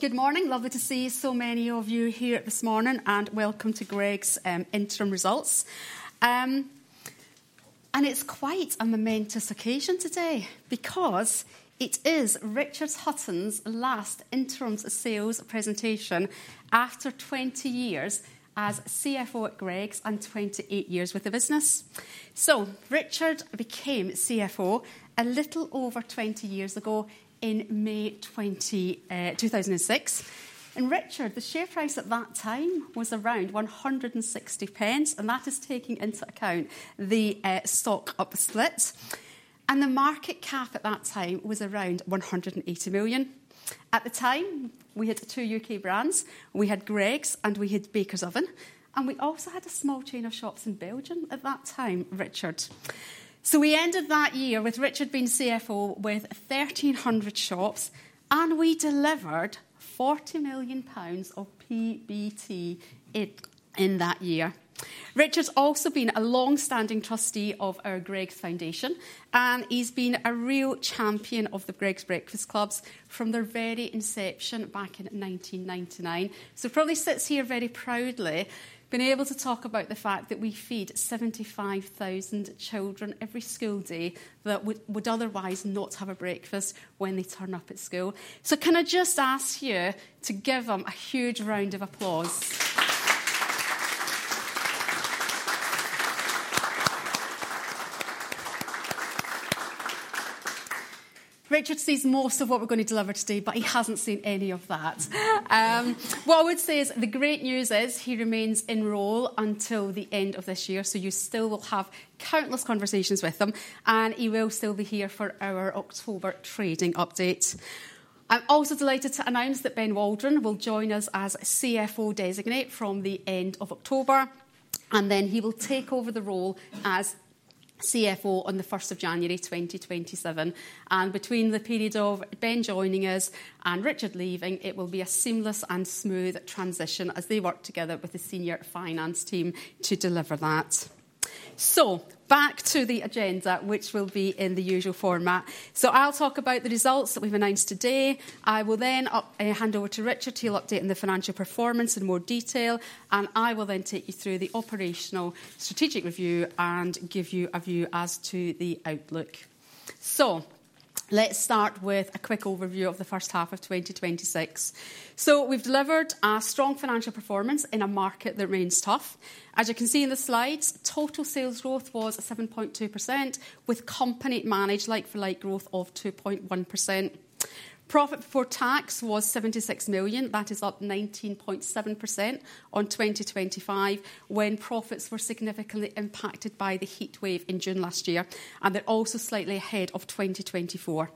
Good morning. Lovely to see so many of you here this morning, and welcome to Greggs interim results. It is quite a momentous occasion today because it is Richard Hutton's last interim sales presentation after 20 years as CFO at Greggs and 28 years with the business. Richard became CFO a little over 20 years ago in May 2006. Richard, the share price at that time was around 1.60, and that is taking into account the stock splits. The market cap at that time was around 180 million. At the time, we had two U.K. brands, we had Greggs, and we had Bakers Oven, and we also had a small chain of shops in Belgium at that time, Richard. We ended that year with Richard being CFO with 1,300 shops, and we delivered 40 million pounds of PBT in that year. Richard's also been a longstanding trustee of The Greggs Foundation, and he's been a real champion of the Greggs Breakfast Clubs from their very inception back in 1999. He probably sits here very proudly being able to talk about the fact that we feed 75,000 children every school day that would otherwise not have a breakfast when they turn up at school. Can I just ask you to give him a huge round of applause? Richard sees most of what we're going to deliver today, but he hasn't seen any of that. The great news is he remains in role until the end of this year, you still will have countless conversations with him, and he will still be here for our October trading update. I'm also delighted to announce that Ben Waldron will join us as CFO designate from the end of October, and he will take over the role as CFO on the 1st of January 2027. Between the period of Ben joining us and Richard leaving, it will be a seamless and smooth transition as they work together with the senior finance team to deliver that. Back to the agenda, which will be in the usual format. I'll talk about the results that we've announced today. I will then hand over to Richard. He'll update on the financial performance in more detail, and I will then take you through the operational strategic review and give you a view as to the outlook. Let's start with a quick overview of the first half of 2026. We've delivered a strong financial performance in a market that remains tough. As you can see in the slides, total sales growth was 7.2%, with company managed like-for-like growth of 2.1%. Profit before tax was 76 million. That is up 19.7% on 2025 when profits were significantly impacted by the heatwave in June last year, they're also slightly ahead of 2024.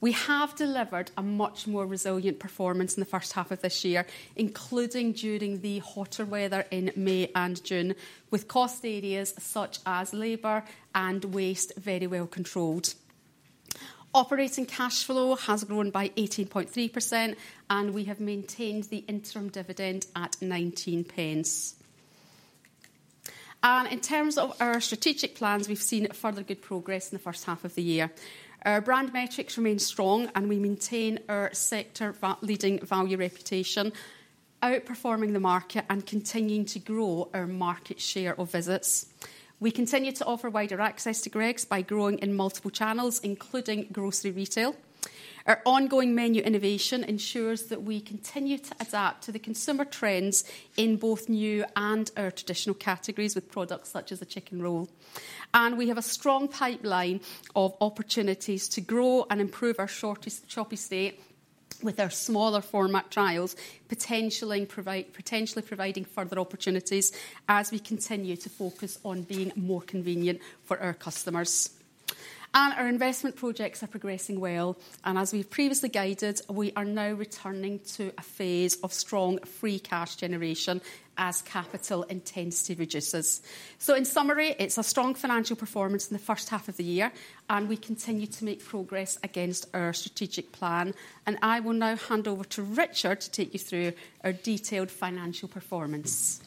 We have delivered a much more resilient performance in the first half of this year, including during the hotter weather in May and June, with cost areas such as labor and waste very well controlled. Operating cash flow has grown by 18.3%, we have maintained the interim dividend at 0.19. In terms of our strategic plans, we've seen further good progress in the first half of the year. Our brand metrics remain strong, we maintain our sector leading value reputation, outperforming the market and continuing to grow our market share of visits. We continue to offer wider access to Greggs by growing in multiple channels, including grocery retail. Our ongoing menu innovation ensures that we continue to adapt to the consumer trends in both new and our traditional categories with products such as the Chicken Roll. We have a strong pipeline of opportunities to grow and improve our shoppy state with our smaller format trials potentially providing further opportunities as we continue to focus on being more convenient for our customers. Our investment projects are progressing well, and as we've previously guided, we are now returning to a phase of strong free cash generation as capital intensity reduces. In summary, it's a strong financial performance in the first half of the year, and we continue to make progress against our strategic plan. I will now hand over to Richard to take you through our detailed financial performance.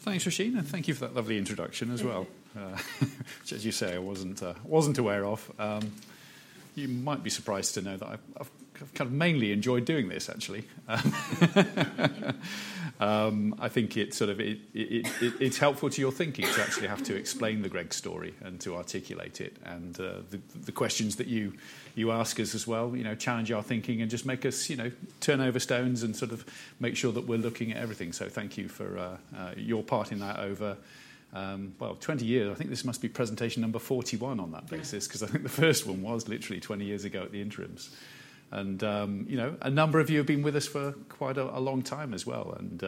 Thanks, Roisin. Thank you for that lovely introduction as well. Thank you. Which as you say, I wasn't aware of. You might be surprised to know that I've kind of mainly enjoyed doing this actually. I think it's helpful to your thinking to actually have to explain the Greggs story and to articulate it. The questions that you ask us as well challenge our thinking and just make us turn over stones and sort of make sure that we're looking at everything. Thank you for your part in that over, well, 20 years. I think this must be presentation number 41 on that basis because I think the first one was literally 20 years ago at the interims. A number of you have been with us for quite a long time as well and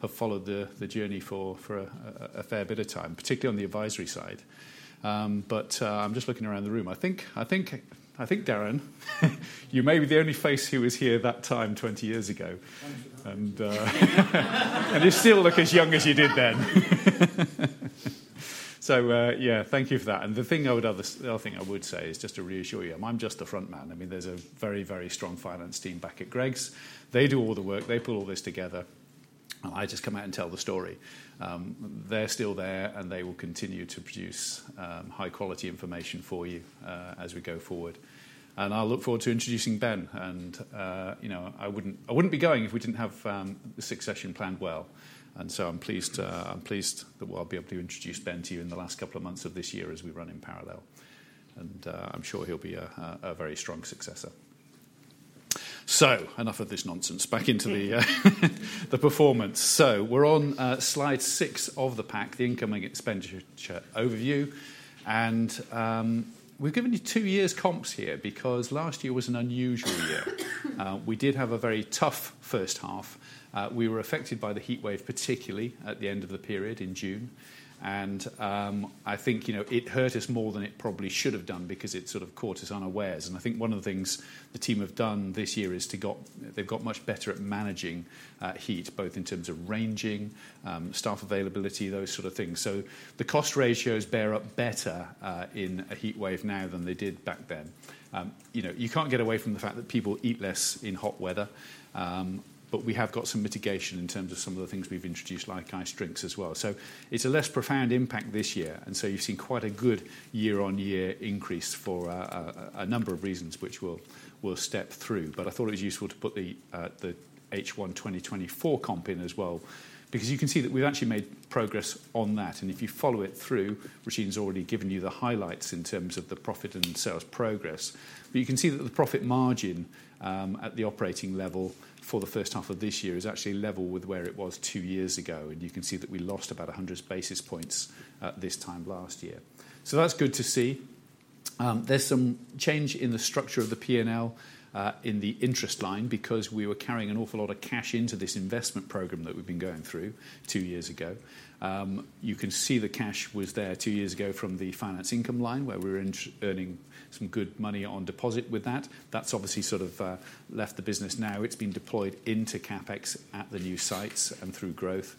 have followed the journey for a fair bit of time, particularly on the advisory side. I'm just looking around the room. I think, Darren, you may be the only face who was here that time 20 years ago. Thank you very much. You still look as young as you did then. Yeah, thank you for that. The other thing I would say is just to reassure you, I'm just the front man. There's a very strong finance team back at Greggs. They do all the work. They put all this together. I just come out and tell the story. They're still there, and they will continue to produce high quality information for you as we go forward. I'll look forward to introducing Ben. I wouldn't be going if we didn't have the succession planned well, and so I'm pleased that I'll be able to introduce Ben to you in the last couple of months of this year as we run in parallel. I'm sure he'll be a very strong successor. Enough of this nonsense, back into the performance. We're on slide six of the pack, the income and expenditure overview. We've given you two years comps here because last year was an unusual year. We did have a very tough first half. We were affected by the heatwave, particularly at the end of the period in June. I think it hurt us more than it probably should have done because it sort of caught us unawares. I think one of the things the team have done this year is they've got much better at managing heat, both in terms of ranging, staff availability, those sort of things. The cost ratios bear up better, in a heatwave now than they did back then. You can't get away from the fact that people eat less in hot weather. We have got some mitigation in terms of some of the things we've introduced, like iced drinks as well. It's a less profound impact this year, and so you've seen quite a good year-on-year increase for a number of reasons, which we'll step through. I thought it was useful to put the H1 2024 comp in as well, because you can see that we've actually made progress on that. If you follow it through, Roisin's already given you the highlights in terms of the profit and sales progress. You can see that the profit margin at the operating level for the first half of this year is actually level with where it was two years ago, and you can see that we lost about 100 basis points at this time last year. That's good to see. There's some change in the structure of the P&L, in the interest line because we were carrying an awful lot of cash into this investment program that we've been going through two years ago. You can see the cash was there two years ago from the finance income line, where we were earning some good money on deposit with that. That's obviously sort of left the business now. It's been deployed into CapEx at the new sites and through growth.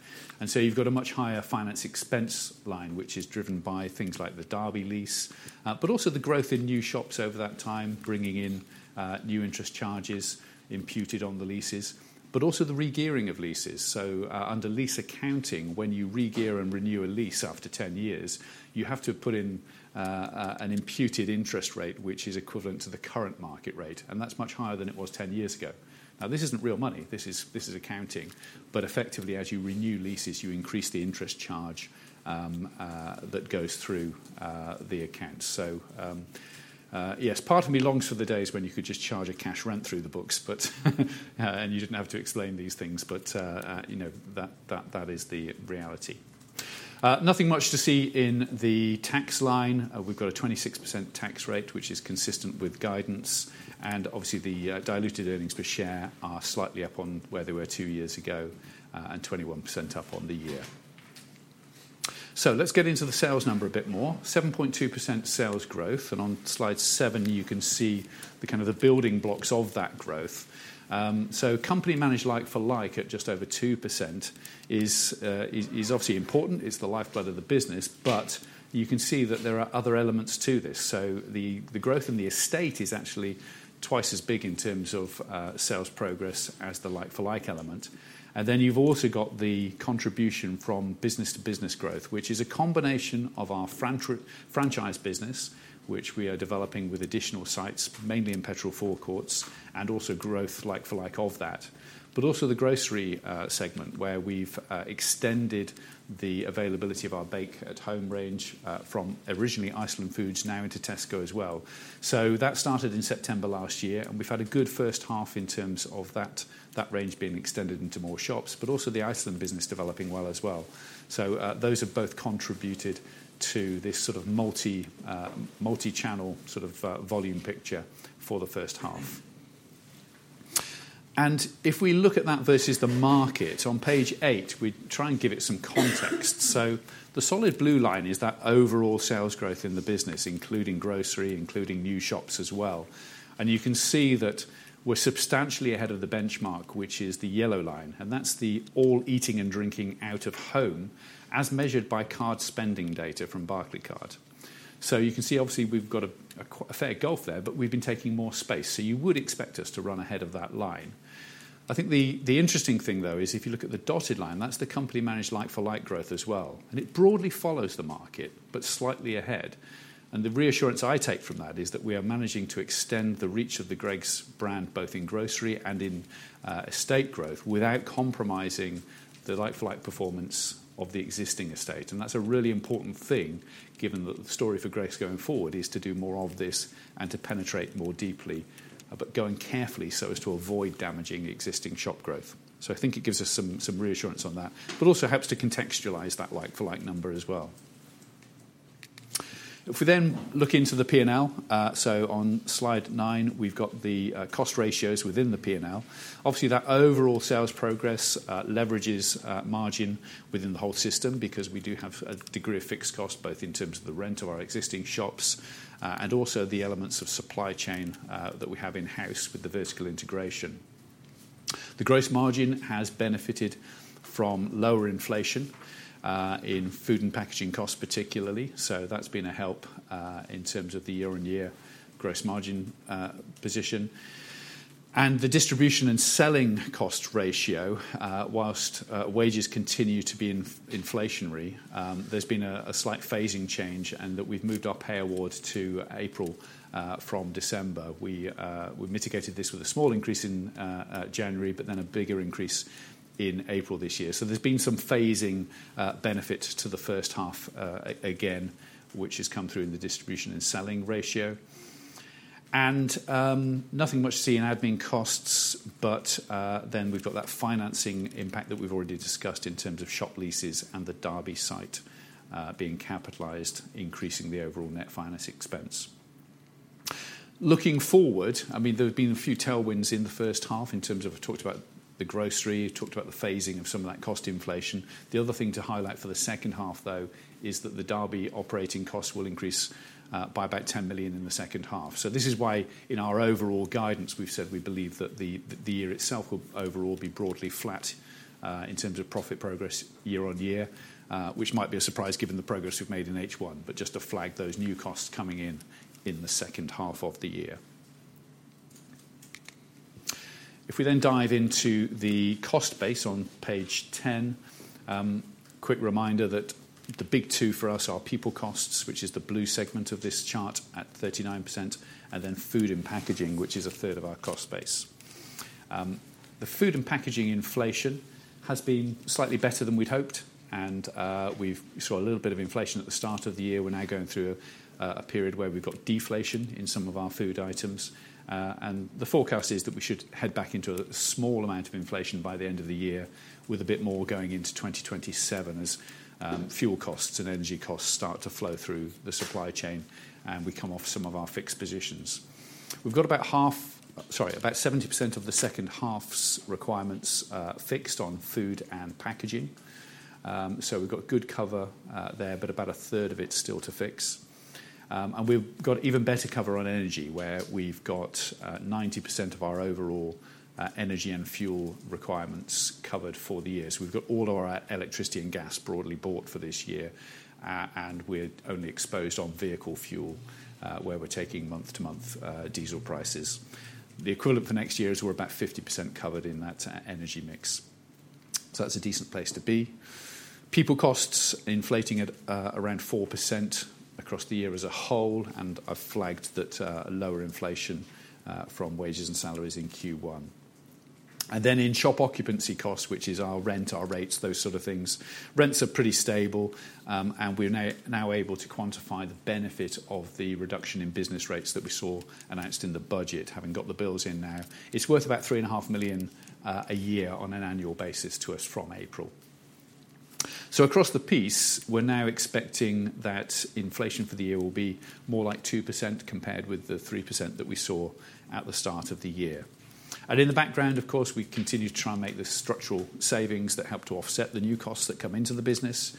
You've got a much higher finance expense line, which is driven by things like the Derby lease, but also the growth in new shops over that time, bringing in new interest charges imputed on the leases, but also the regearing of leases. Under lease accounting, when you regear and renew a lease after 10 years, you have to put in an imputed interest rate, which is equivalent to the current market rate, and that's much higher than it was 10 years ago. This isn't real money, this is accounting, but effectively, as you renew leases, you increase the interest charge that goes through the account. Yes, part of me longs for the days when you could just charge a cash rent through the books, and you didn't have to explain these things. That is the reality. Nothing much to see in the tax line. We've got a 26% tax rate, which is consistent with guidance. Obviously the diluted earnings per share are slightly up on where they were two years ago, and 21% up on the year. Let's get into the sales number a bit more. 7.2% sales growth. On slide seven, you can see the building blocks of that growth. Company-managed like-for-like at just over 2% is obviously important. It's the lifeblood of the business, but you can see that there are other elements to this. The growth in the estate is actually twice as big in terms of sales progress as the like-for-like element. You've also got the contribution from business-to-business growth, which is a combination of our franchise business, which we are developing with additional sites, mainly in petrol forecourts, and also growth like-for-like of that. The grocery segment, where we've extended the availability of our bake-at-home range, from originally Iceland Foods now into Tesco as well. That started in September last year, and we've had a good first half in terms of that range being extended into more shops, but also the Iceland business developing well as well. Those have both contributed to this sort of multi-channel sort of volume picture for the first half. If we look at that versus the market on page eight, we try and give it some context. The solid blue line is that overall sales growth in the business, including grocery, including new shops as well. You can see that we're substantially ahead of the benchmark, which is the yellow line, and that's the all eating and drinking out of home, as measured by card spending data from Barclaycard. You can see, obviously, we've got a fair gulf there, but we've been taking more space, so you would expect us to run ahead of that line. I think the interesting thing though is if you look at the dotted line, that's the company managed like-for-like growth as well, and it broadly follows the market, but slightly ahead. The reassurance I take from that is that we are managing to extend the reach of the Greggs brand, both in grocery and in estate growth, without compromising the like-for-like performance of the existing estate. That's a really important thing given that the story for Greggs going forward is to do more of this and to penetrate more deeply, but going carefully so as to avoid damaging existing shop growth. I think it gives us some reassurance on that, but also helps to contextualize that like-for-like number as well. If we then look into the P&L, on slide nine, we've got the cost ratios within the P&L. Obviously, that overall sales progress leverages margin within the whole system because we do have a degree of fixed cost, both in terms of the rent of our existing shops, and also the elements of supply chain that we have in-house with the vertical integration. The gross margin has benefited from lower inflation, in food and packaging costs particularly. That's been a help in terms of the year on year gross margin position. The distribution and selling cost ratio, whilst wages continue to be inflationary, there's been a slight phasing change in that we've moved our pay awards to April from December. We mitigated this with a small increase in January, a bigger increase in April this year. There's been some phasing benefit to the first half, again, which has come through in the distribution and selling ratio. Nothing much to see in admin costs, we've got that financing impact that we've already discussed in terms of shop leases and the Derby site being capitalized, increasing the overall net finance expense. Looking forward, there have been a few tailwinds in the first half in terms of, we talked about the grocery, we talked about the phasing of some of that cost inflation. The other thing to highlight for the second half, though, is that the Derby operating costs will increase by about 10 million in the second half. This is why in our overall guidance, we've said we believe that the year itself will overall be broadly flat, in terms of profit progress year-over-year, which might be a surprise given the progress we've made in H1. Just to flag those new costs coming in the second half of the year. We dive into the cost base on page 10, quick reminder that the big two for us are people costs, which is the blue segment of this chart at 39%, then food and packaging, which is a third of our cost base. The food and packaging inflation has been slightly better than we'd hoped, we saw a little bit of inflation at the start of the year. We're now going through a period where we've got deflation in some of our food items. The forecast is that we should head back into a small amount of inflation by the end of the year, with a bit more going into 2027 as fuel costs and energy costs start to flow through the supply chain and we come off some of our fixed positions. We've got about 70% of the second half's requirements fixed on food and packaging. We've got good cover there, a third of it's still to fix. We've got even better cover on energy, where we've got 90% of our overall energy and fuel requirements covered for the year. We've got all our electricity and gas broadly bought for this year, and we're only exposed on vehicle fuel, where we're taking month-to-month diesel prices. The equivalent for next year is we're about 50% covered in that energy mix. That's a decent place to be. People costs inflating at around 4% across the year as a whole. I flagged that lower inflation from wages and salaries in Q1. In shop occupancy costs, which is our rent, our rates, those sort of things, rents are pretty stable, and we're now able to quantify the benefit of the reduction in business rates that we saw announced in the budget, having got the bills in now. It's worth about 3.5 million a year on an annual basis to us from April. Across the piece, we're now expecting that inflation for the year will be more like 2% compared with the 3% that we saw at the start of the year. In the background, of course, we continue to try and make the structural savings that help to offset the new costs that come into the business.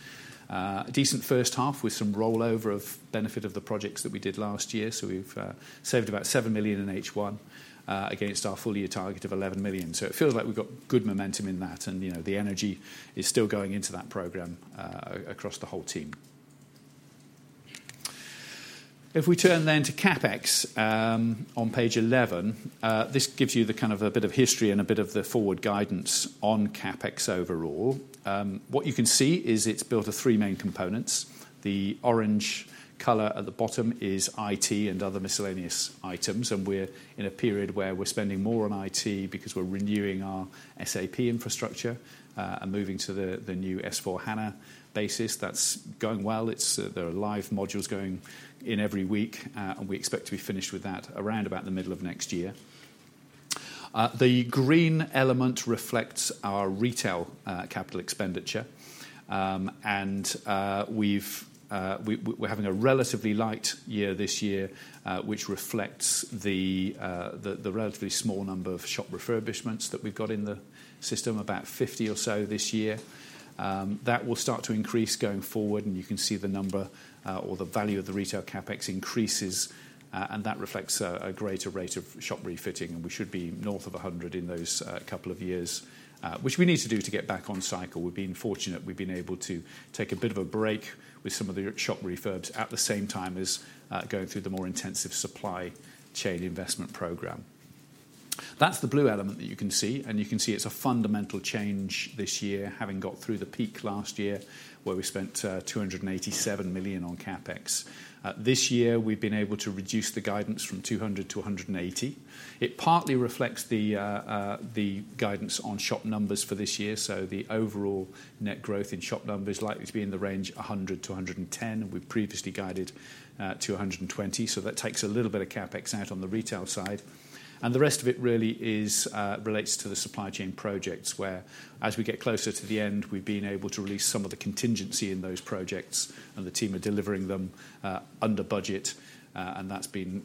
A decent first half with some rollover of benefit of the projects that we did last year. We've saved about 7 million in H1 against our full year target of 11 million. It feels like we've got good momentum in that, and the energy is still going into that program across the whole team. If we turn to CapEx on page 11, this gives you the kind of a bit of history and a bit of the forward guidance on CapEx overall. What you can see is it's built of three main components. The orange color at the bottom is IT and other miscellaneous items, and we're in a period where we're spending more on IT because we're renewing our SAP infrastructure and moving to the new S/4HANA basis. That's going well. There are live modules going in every week. We expect to be finished with that around about the middle of next year. The green element reflects our retail capital expenditure. We're having a relatively light year this year, which reflects the relatively small number of shop refurbishments that we've got in the system, about 50 or so this year. That will start to increase going forward and you can see the number or the value of the retail CapEx increases, and that reflects a greater rate of shop refitting and we should be north of 100 in those couple of years, which we need to do to get back on cycle. We've been fortunate. We've been able to take a bit of a break with some of the shop refurbs at the same time as going through the more intensive supply chain investment program. That's the blue element that you can see. You can see it's a fundamental change this year, having got through the peak last year, where we spent 287 million on CapEx. This year, we've been able to reduce the guidance from 200 to 180. It partly reflects the guidance on shop numbers for this year. The overall net growth in shop numbers is likely to be in the range 100-110. We previously guided to 120. That takes a little bit of CapEx out on the retail side. The rest of it really relates to the supply chain projects, where as we get closer to the end, we've been able to release some of the contingency in those projects and the team are delivering them under budget, and that's been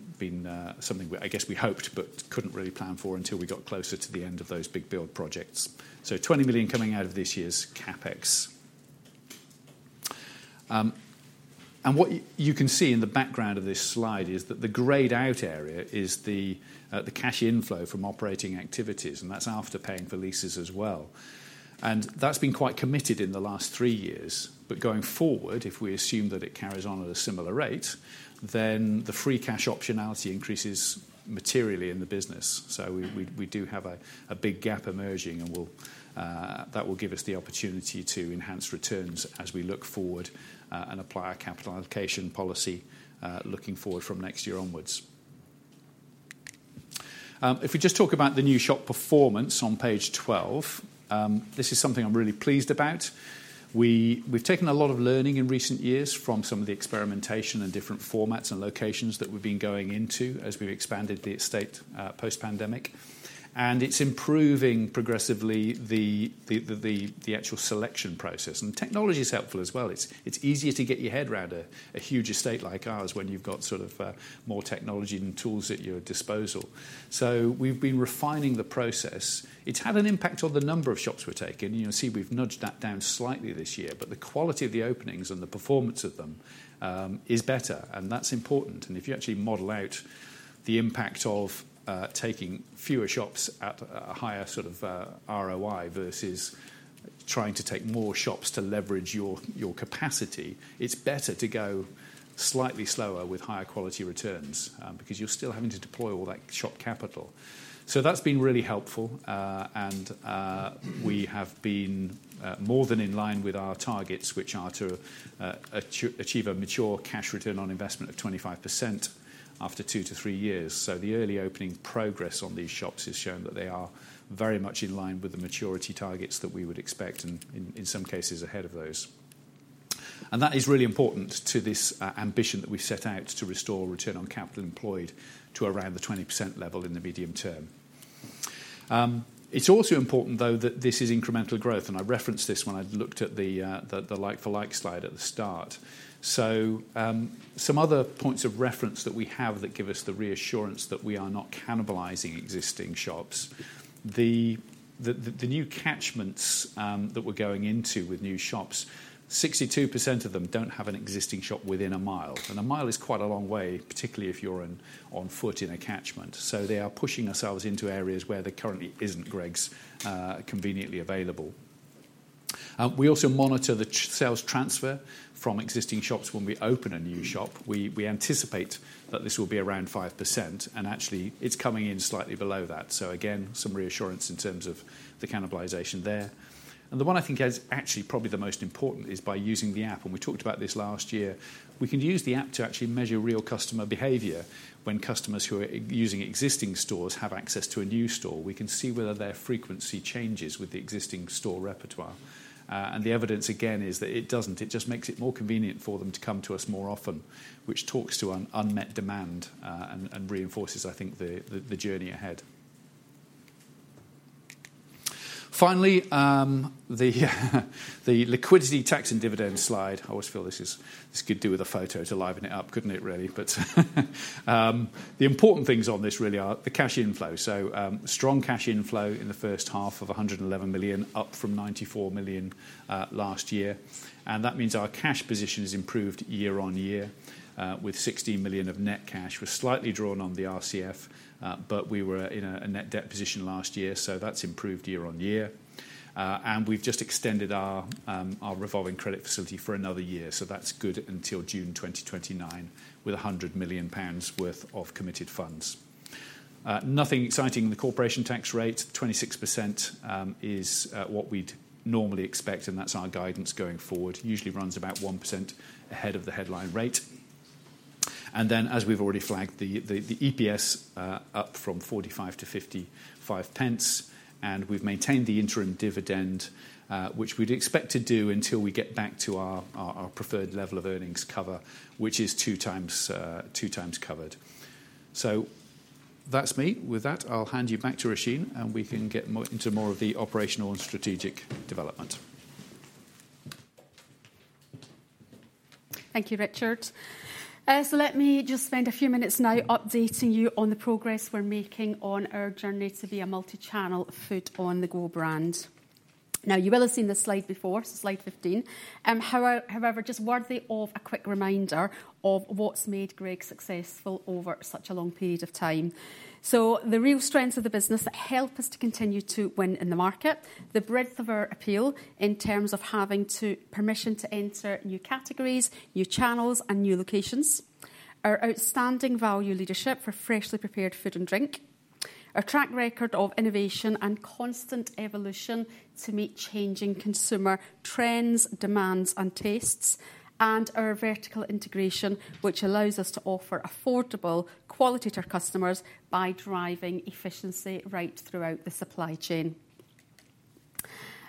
something I guess we hoped but couldn't really plan for until we got closer to the end of those big build projects. 20 million coming out of this year's CapEx. What you can see in the background of this slide is that the grayed out area is the cash inflow from operating activities, and that's after paying for leases as well. That's been quite committed in the last three years. Going forward, if we assume that it carries on at a similar rate, then the free cash optionality increases materially in the business. We do have a big gap emerging, that will give us the opportunity to enhance returns as we look forward and apply our capital allocation policy, looking forward from next year onwards. If we just talk about the new shop performance on page 12, this is something I'm really pleased about. We've taken a lot of learning in recent years from some of the experimentation and different formats and locations that we've been going into as we've expanded the estate post-pandemic, it's improving progressively the actual selection process. Technology is helpful as well. It's easier to get your head around a huge estate like ours when you've got more technology and tools at your disposal. We've been refining the process. It's had an impact on the number of shops we're taking. You'll see we've nudged that down slightly this year, the quality of the openings and the performance of them is better, that's important. If you actually model out the impact of taking fewer shops at a higher ROI versus trying to take more shops to leverage your capacity, it's better to go slightly slower with higher quality returns because you're still having to deploy all that shop capital. That's been really helpful. We have been more than in line with our targets, which are to achieve a mature cash return on investment of 25% after two to three years. The early opening progress on these shops has shown that they are very much in line with the maturity targets that we would expect, and in some cases, ahead of those. That is really important to this ambition that we set out to restore return on capital employed to around the 20% level in the medium term. It's also important, though, that this is incremental growth, I referenced this when I looked at the like for like slide at the start. Some other points of reference that we have that give us the reassurance that we are not cannibalizing existing shops. The new catchments that we're going into with new shops, 62% of them don't have an existing shop within a mile. A mile is quite a long way, particularly if you're on foot in a catchment. They are pushing ourselves into areas where there currently isn't Greggs conveniently available. We also monitor the sales transfer from existing shops when we open a new shop. We anticipate that this will be around 5%, and actually it's coming in slightly below that. Again, some reassurance in terms of the cannibalization there. The one I think is actually probably the most important is by using the app, and we talked about this last year. We can use the app to actually measure real customer behavior when customers who are using existing stores have access to a new store. We can see whether their frequency changes with the existing store repertoire. The evidence again is that it doesn't. It just makes it more convenient for them to come to us more often, which talks to an unmet demand and reinforces, I think, the journey ahead. Finally, the liquidity tax and dividend slide. I always feel this could do with a photo to liven it up, couldn't it, really? The important things on this really are the cash inflow. Strong cash inflow in the first half of 111 million, up from 94 million last year. That means our cash position has improved year-on-year with 16 million of net cash. We've slightly drawn on the RCF, but we were in a net debt position last year, so that's improved year-on-year. We've just extended our revolving credit facility for another year, so that's good until June 2029 with 100 million pounds worth of committed funds. Nothing exciting in the corporation tax rate. 26% is what we'd normally expect, and that's our guidance going forward. Usually runs about 1% ahead of the headline rate. Then, as we've already flagged, the EPS up from 0.45 to 0.55, and we've maintained the interim dividend, which we'd expect to do until we get back to our preferred level of earnings cover, which is two times covered. That's me. With that, I'll hand you back to Roisin, and we can get into more of the operational and strategic development. Thank you, Richard. Let me just spend a few minutes now updating you on the progress we're making on our journey to be a multi-channel food on-the-go brand. You will have seen this slide before, slide 15. However, just worthy of a quick reminder of what's made Greggs successful over such a long period of time. The real strengths of the business that help us to continue to win in the market, the breadth of our appeal in terms of having permission to enter new categories, new channels, and new locations, our outstanding value leadership for freshly prepared food and drink, our track record of innovation and constant evolution to meet changing consumer trends, demands, and tastes, our vertical integration, which allows us to offer affordable quality to our customers by driving efficiency right throughout the supply chain.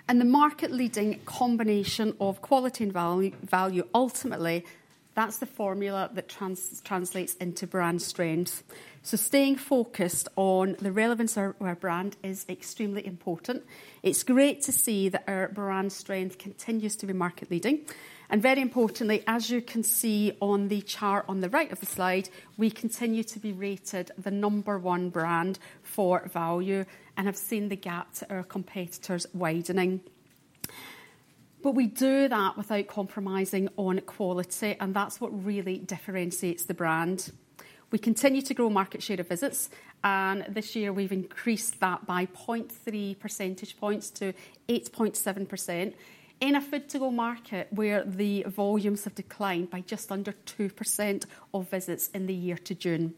The market leading combination of quality and value, ultimately, that's the formula that translates into brand strength. So staying focused on the relevance of our brand is extremely important. It's great to see that our brand strength continues to be market leading. Very importantly, as you can see on the chart on the right of the slide, we continue to be rated the number one brand for value and have seen the gap to our competitors widening. But we do that without compromising on quality, and that's what really differentiates the brand. We continue to grow market share of visits, and this year we've increased that by 0.3 percentage points to 8.7% in a food to go market where the volumes have declined by just under 2% of visits in the year to June.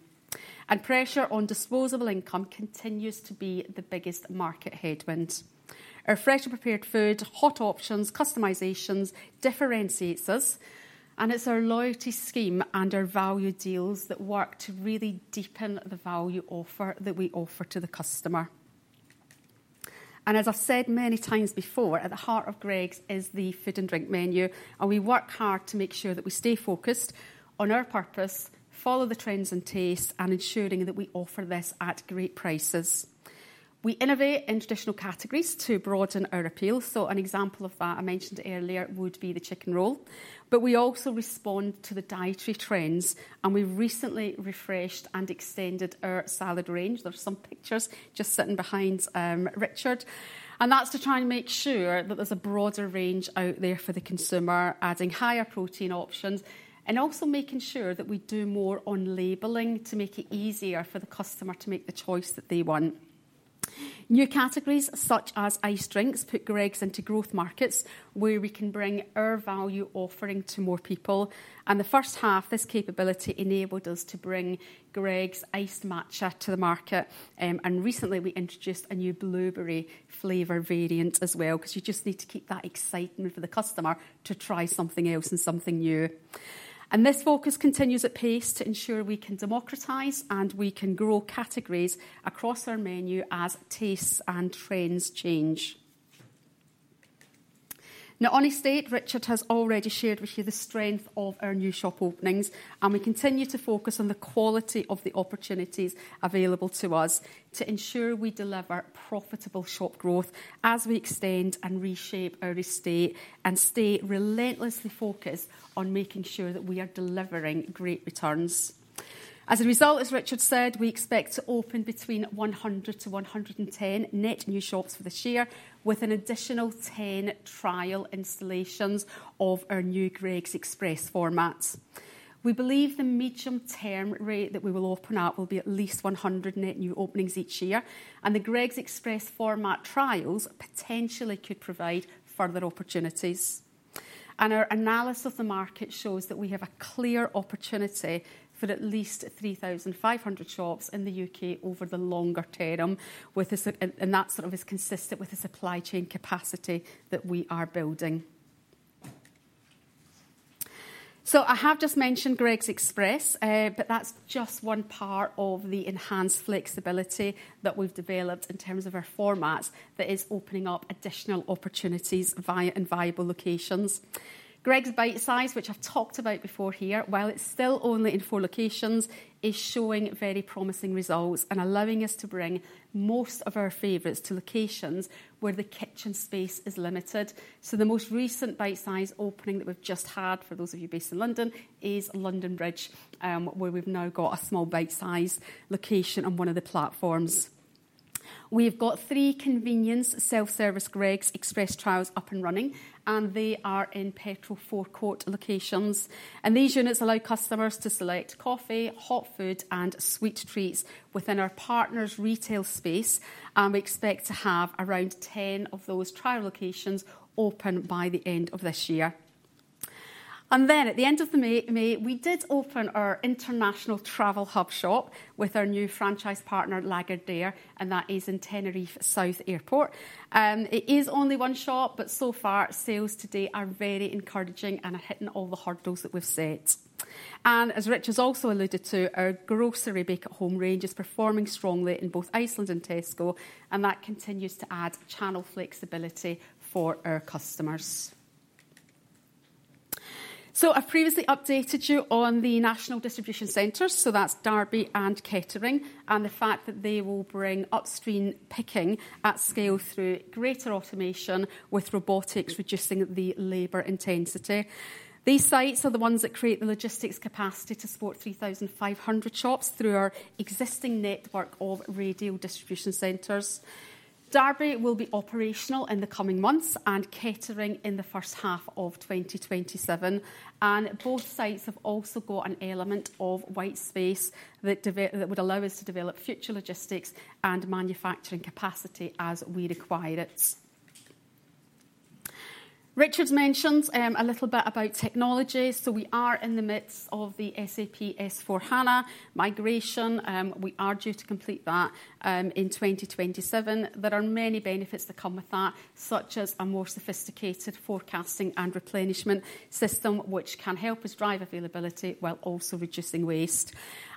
Pressure on disposable income continues to be the biggest market headwind. Our freshly prepared food, hot options, customizations differentiates us, and it's our loyalty scheme and our value deals that work to really deepen the value offer that we offer to the customer. As I've said many times before, at the heart of Greggs is the food and drink menu, and we work hard to make sure that we stay focused on our purpose, follow the trends and taste, and ensuring that we offer this at great prices. We innovate in traditional categories to broaden our appeal. So an example of that, I mentioned earlier, would be the Chicken Roll. But we also respond to the dietary trends, and we recently refreshed and extended our salad range. There are some pictures just sitting behind Richard. That's to try and make sure that there's a broader range out there for the consumer, adding higher protein options, and also making sure that we do more on labeling to make it easier for the customer to make the choice that they want. New categories, such as iced drinks, put Greggs into growth markets where we can bring our value offering to more people. In the first half, this capability enabled us to bring Greggs Iced Matcha to the market. Recently we introduced a new blueberry flavor variant as well, because you just need to keep that excitement for the customer to try something else and something new. This focus continues at pace to ensure we can democratize and we can grow categories across our menu as tastes and trends change. Now, on estate, Richard has already shared with you the strength of our new shop openings, and we continue to focus on the quality of the opportunities available to us to ensure we deliver profitable shop growth as we extend and reshape our estate and stay relentlessly focused on making sure that we are delivering great returns. As a result, as Richard said, we expect to open between 100-110 net new shops for this year, with an additional 10 trial installations of our new Greggs Express formats. We believe the medium term rate that we will open at will be at least 100 net new openings each year, and the Greggs Express format trials potentially could provide further opportunities. Our analysis of the market shows that we have a clear opportunity for at least 3,500 shops in the U.K. over the longer term, and that sort of is consistent with the supply chain capacity that we are building. I have just mentioned Greggs Express, but that's just one part of the enhanced flexibility that we've developed in terms of our formats that is opening up additional opportunities in viable locations. Greggs Bitesize, which I've talked about before here, while it's still only in four locations, is showing very promising results and allowing us to bring most of our favorites to locations where the kitchen space is limited. The most recent Bitesize opening that we've just had, for those of you based in London, is London Bridge, where we've now got a small Bitesize location on one of the platforms. We've got three convenience self-service Greggs Express trials up and running. They are in petrol forecourt locations. These units allow customers to select coffee, hot food, and sweet treats within our partner's retail space, and we expect to have around 10 of those trial locations open by the end of this year. At the end of May, we did open our international travel hub shop with our new franchise partner, Lagardère, and that is in Tenerife South Airport. It is only one shop, but so far sales to date are very encouraging and are hitting all the hurdles that we've set. As Richard has also alluded to, our grocery bake-at-home range is performing strongly in both Iceland and Tesco, and that continues to add channel flexibility for our customers. I previously updated you on the national distribution centers, that's Derby and Kettering, and the fact that they will bring upstream picking at scale through greater automation with robotics, reducing the labor intensity. These sites are the ones that create the logistics capacity to support 3,500 shops through our existing network of radial distribution centers. Derby will be operational in the coming months and Kettering in the first half of 2027. Both sites have also got an element of white space that would allow us to develop future logistics and manufacturing capacity as we require it. Richard's mentioned a little bit about technology. We are in the midst of the SAP S/4HANA migration. We are due to complete that in 2027. There are many benefits that come with that, such as a more sophisticated forecasting and replenishment system, which can help us drive availability while also reducing waste.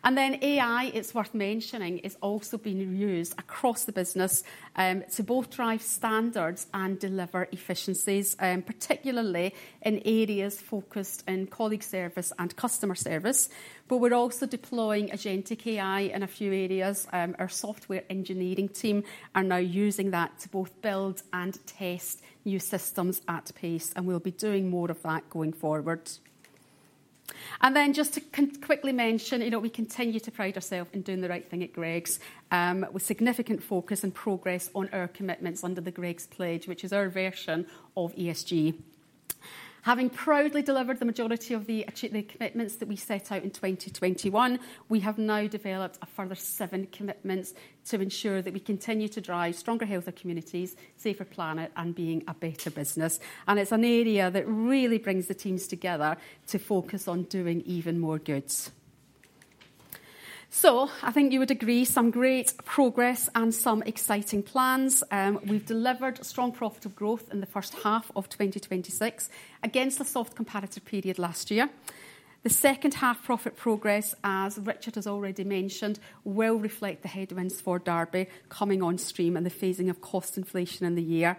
AI, it's worth mentioning, is also being used across the business, to both drive standards and deliver efficiencies, particularly in areas focused in colleague service and customer service. We're also deploying agentic AI in a few areas. Our software engineering team are now using that to both build and test new systems at pace, and we'll be doing more of that going forward. Just to quickly mention, we continue to pride ourselves in doing the right thing at Greggs, with significant focus and progress on our commitments under The Greggs Pledge, which is our version of ESG. Having proudly delivered the majority of the commitments that we set out in 2021, we have now developed a further seven commitments to ensure that we continue to drive stronger, healthier communities, safer planet, and being a better business. It's an area that really brings the teams together to focus on doing even more good. I think you would agree, some great progress and some exciting plans. We've delivered strong profit growth in the first half of 2026 against a soft comparative period last year. The second half profit progress, as Richard has already mentioned, will reflect the headwinds for Derby coming on stream and the phasing of cost inflation in the year.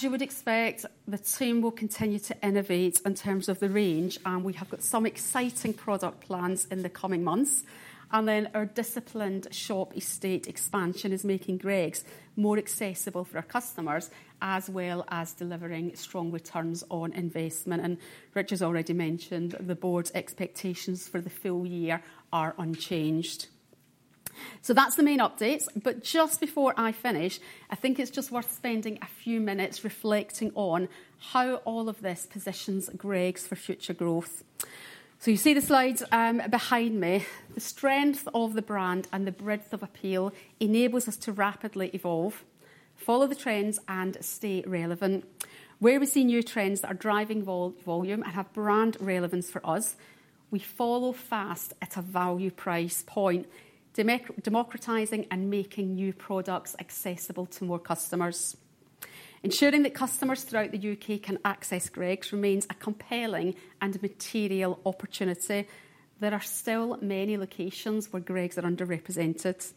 You would expect, the team will continue to innovate in terms of the range, we have got some exciting product plans in the coming months. Our disciplined shop estate expansion is making Greggs more accessible for our customers, as well as delivering strong returns on investment. Richard's already mentioned, the board's expectations for the full year are unchanged. That's the main update. Just before I finish, I think it's just worth spending a few minutes reflecting on how all of this positions Greggs for future growth. You see the slides behind me. The strength of the brand and the breadth of appeal enables us to rapidly evolve, follow the trends, and stay relevant. Where we see new trends that are driving volume and have brand relevance for us, we follow fast at a value price point, democratizing and making new products accessible to more customers. Ensuring that customers throughout the U.K. can access Greggs remains a compelling and material opportunity. There are still many locations where Greggs are underrepresented.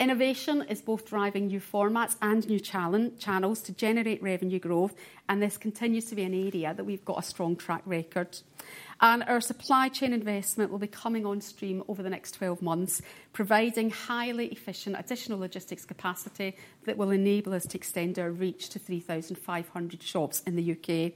Innovation is both driving new formats and new channels to generate revenue growth, this continues to be an area that we've got a strong track record. Our supply chain investment will be coming on stream over the next 12 months, providing highly efficient additional logistics capacity that will enable us to extend our reach to 3,500 shops in the U.K.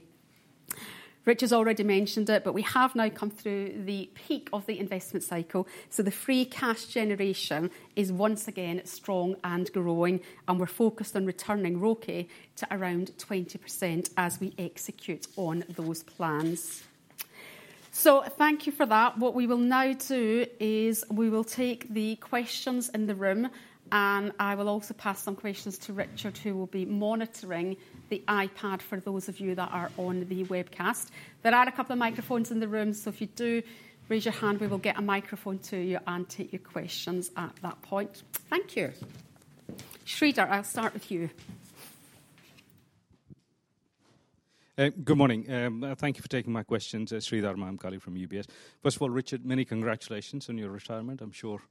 Richard's already mentioned it, we have now come through the peak of the investment cycle, the free cash generation is once again strong and growing, we're focused on returning ROCE to around 20% as we execute on those plans. Thank you for that. What we will now do is we will take the questions in the room, I will also pass some questions to Richard, who will be monitoring the iPad for those of you that are on the webcast. There are a couple of microphones in the room, if you do raise your hand, we will get a microphone to you and take your questions at that point. Thank you. Sreedhar, I'll start with you. Good morning. Thank you for taking my questions. Sreedhar Mahamkali from UBS. First of all, Richard, many congratulations on your retirement. I'm sure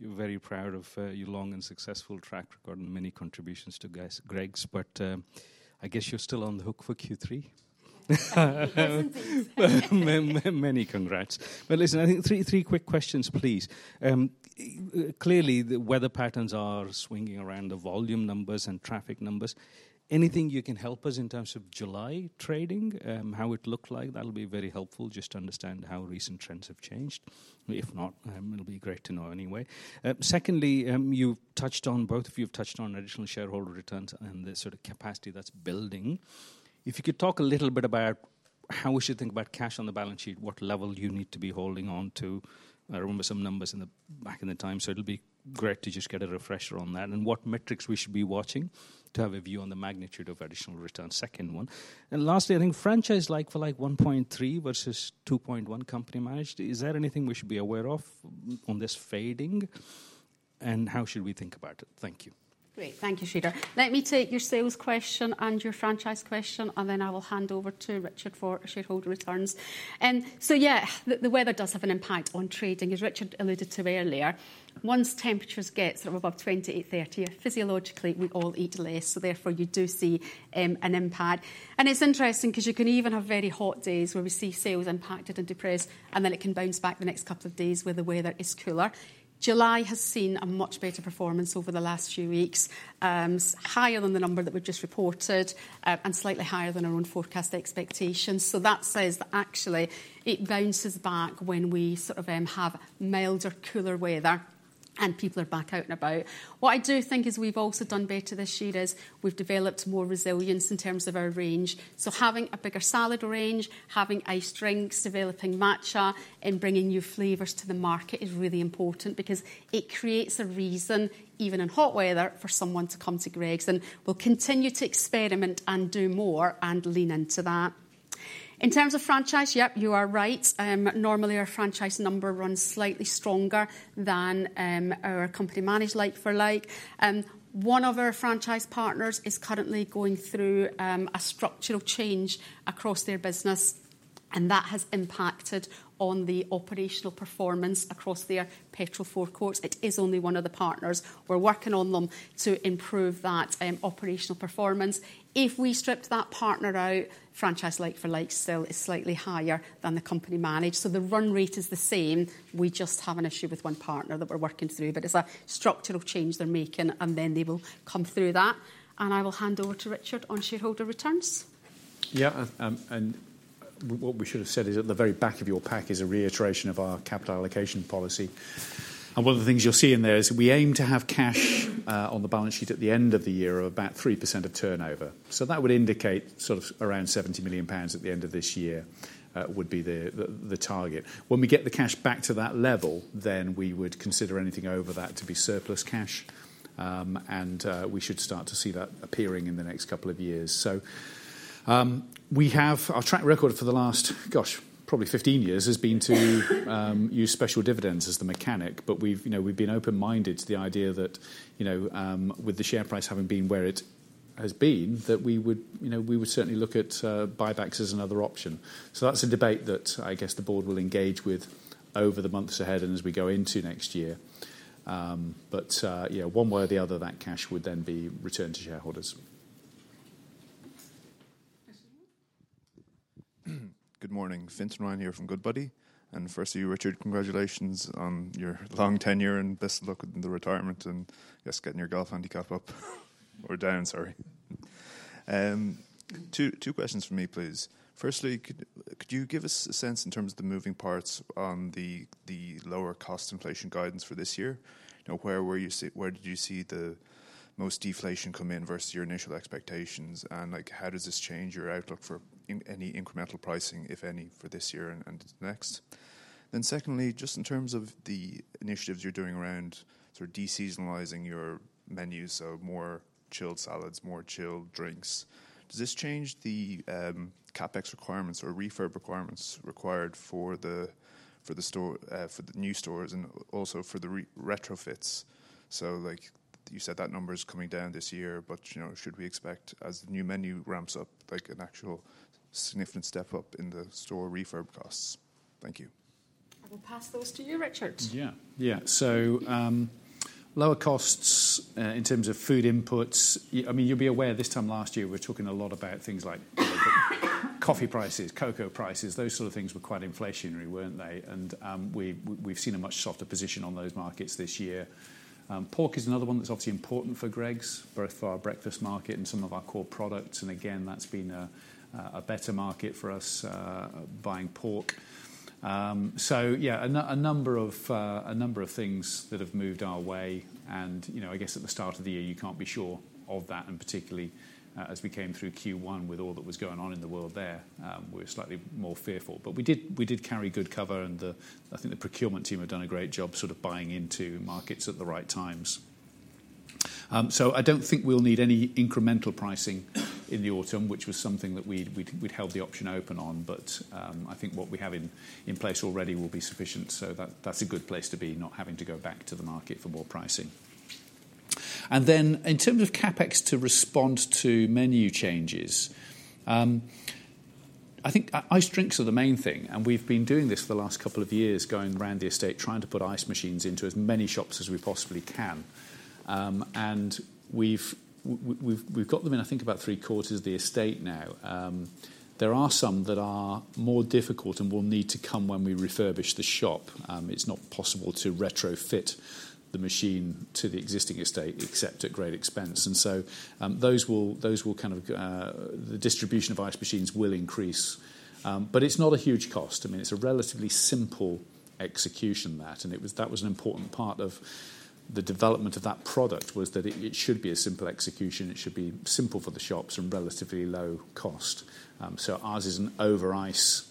you're very proud of your long and successful track record and many contributions to Greggs. I guess you're still on the hook for Q3. Many congrats. Listen, I think three quick questions, please. Clearly, the weather patterns are swinging around the volume numbers and traffic numbers. Anything you can help us in terms of July trading? How it looked like? That'll be very helpful just to understand how recent trends have changed. If not, it'll be great to know anyway. Secondly, both of you have touched on additional shareholder returns and the sort of capacity that's building. If you could talk a little bit about how we should think about cash on the balance sheet, what level you need to be holding on to. I remember some numbers back in the time, it'll be great to just get a refresher on that. What metrics we should be watching to have a view on the magnitude of additional return, second one. Lastly, I think franchise like-for-like 1.3 versus 2.1 company managed. Is there anything we should be aware of on this fading, and how should we think about it? Thank you. Great. Thank you, Sreedhar. Let me take your sales question and your franchise question, then I will hand over to Richard for shareholder returns. Yeah, the weather does have an impact on trading, as Richard alluded to earlier. Once temperatures get above 28, 30, physiologically, we all eat less, therefore you do see an impact. It's interesting because you can even have very hot days where we see sales impacted and depressed, then it can bounce back the next couple of days where the weather is cooler. July has seen a much better performance over the last few weeks. Higher than the number that we've just reported, slightly higher than our own forecast expectations. That says that actually it bounces back when we sort of have milder, cooler weather and people are back out and about. What I do think is we've also done better this year is we've developed more resilience in terms of our range. Having a bigger salad range, having iced drinks, developing matcha, and bringing new flavors to the market is really important because it creates a reason, even in hot weather, for someone to come to Greggs, we'll continue to experiment and do more and lean into that. In terms of franchise, yep, you are right. Normally, our franchise number runs slightly stronger than our company-managed like-for-like. One of our franchise partners is currently going through a structural change across their business, that has impacted on the operational performance across their petrol forecourts. It is only one of the partners. We're working on them to improve that operational performance. If we stripped that partner out, franchise like-for-like still is slightly higher than the company managed. The run rate is the same. We just have an issue with one partner that we're working through. It's a structural change they're making, and then they will come through that. I will hand over to Richard on shareholder returns. What we should have said is at the very back of your pack is a reiteration of our capital allocation policy. One of the things you'll see in there is we aim to have cash on the balance sheet at the end of the year of about 3% of turnover. That would indicate sort of around 70 million pounds at the end of this year, would be the target. When we get the cash back to that level, we would consider anything over that to be surplus cash. We should start to see that appearing in the next couple of years. Our track record for the last, gosh, probably 15 years, has been to use special dividends as the mechanic, but we've been open-minded to the idea that, with the share price having been where it has been, that we would certainly look at buybacks as another option. That's a debate that I guess the board will engage with over the months ahead and as we go into next year. One way or the other, that cash would then be returned to shareholders. Good morning. Fin Ryan here from Goodbody. Firstly, Richard, congratulations on your long tenure, and best of luck in the retirement, and I guess getting your golf handicap up, or down, sorry. Two questions from me, please. Firstly, could you give us a sense in terms of the moving parts on the lower cost inflation guidance for this year? Where did you see the most deflation come in versus your initial expectations, and how does this change your outlook for any incremental pricing, if any, for this year and next? Secondly, just in terms of the initiatives you're doing around sort of de-seasonalizing your menu, so more chilled salads, more chilled drinks. Does this change the CapEx requirements or refurb requirements required for the new stores and also for the retrofits? You said that number is coming down this year, but should we expect, as the new menu ramps up, an actual significant step up in the store refurb costs? Thank you. I will pass those to you, Richard. Yeah. Lower costs in terms of food inputs. You'll be aware this time last year, we were talking a lot about things like coffee prices, cocoa prices. Those sort of things were quite inflationary, weren't they? We've seen a much softer position on those markets this year. Pork is another one that's obviously important for Greggs, both for our breakfast market and some of our core products. Again, that's been a better market for us, buying pork. Yeah, a number of things that have moved our way. I guess at the start of the year, you can't be sure of that. Particularly as we came through Q1, with all that was going on in the world there, we were slightly more fearful. We did carry good cover and I think the procurement team have done a great job sort of buying into markets at the right times. I don't think we'll need any incremental pricing in the autumn, which was something that we'd held the option open on. I think what we have in place already will be sufficient. That's a good place to be, not having to go back to the market for more pricing. In terms of CapEx to respond to menu changes, I think ice drinks are the main thing, and we've been doing this for the last couple of years, going around the estate, trying to put ice machines into as many shops as we possibly can. We've got them in, I think, about three quarters of the estate now. There are some that are more difficult and will need to come when we refurbish the shop. It's not possible to retrofit the machine to the existing estate except at great expense. The distribution of ice machines will increase. It's not a huge cost. It's a relatively simple execution, that was an important part of the development of that product, was that it should be a simple execution. It should be simple for the shops and relatively low cost. Ours is an over ice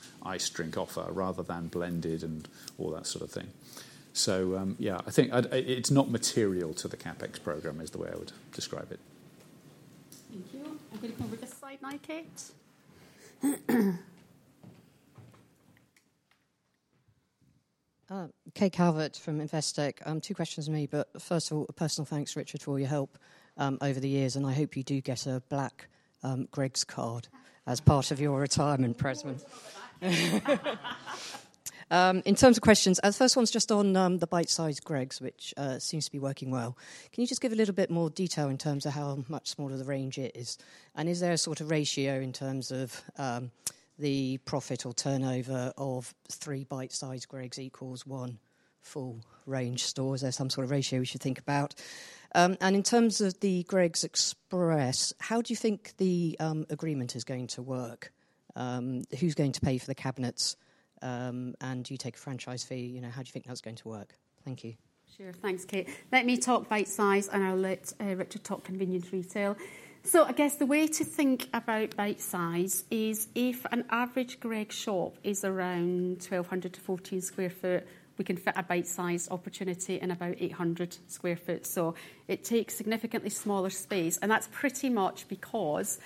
drink offer rather than blended and all that sort of thing. Yeah, I think it's not material to the CapEx program is the way I would describe it. Thank you. I'm going to come over this side now, Kate. Kate Calvert from Investec. Two questions from me, first of all, a personal thanks, Richard, for all your help over the years, I hope you do get a black Greggs card as part of your retirement present. It's not that. In terms of questions, the first one's just on the Bitesize Greggs, which seems to be working well. Can you just give a little bit more detail in terms of how much smaller the range is? Is there a sort of ratio in terms of the profit or turnover of three Bitesize Greggs equals one full range store? Is there some sort of ratio we should think about? In terms of the Greggs Express, how do you think the agreement is going to work? Who's going to pay for the cabinets? Do you take a franchise fee? How do you think that's going to work? Thank you. Sure. Thanks, Kate. Let me talk Bitesize, I'll let Richard talk convenience retail. I guess the way to think about Bitesize is if an average Greggs shop is around 1,200 sq ft-1,400 sq ft, we can fit a Bitesize opportunity in about 800 sq ft. It takes significantly smaller space, that's pretty much because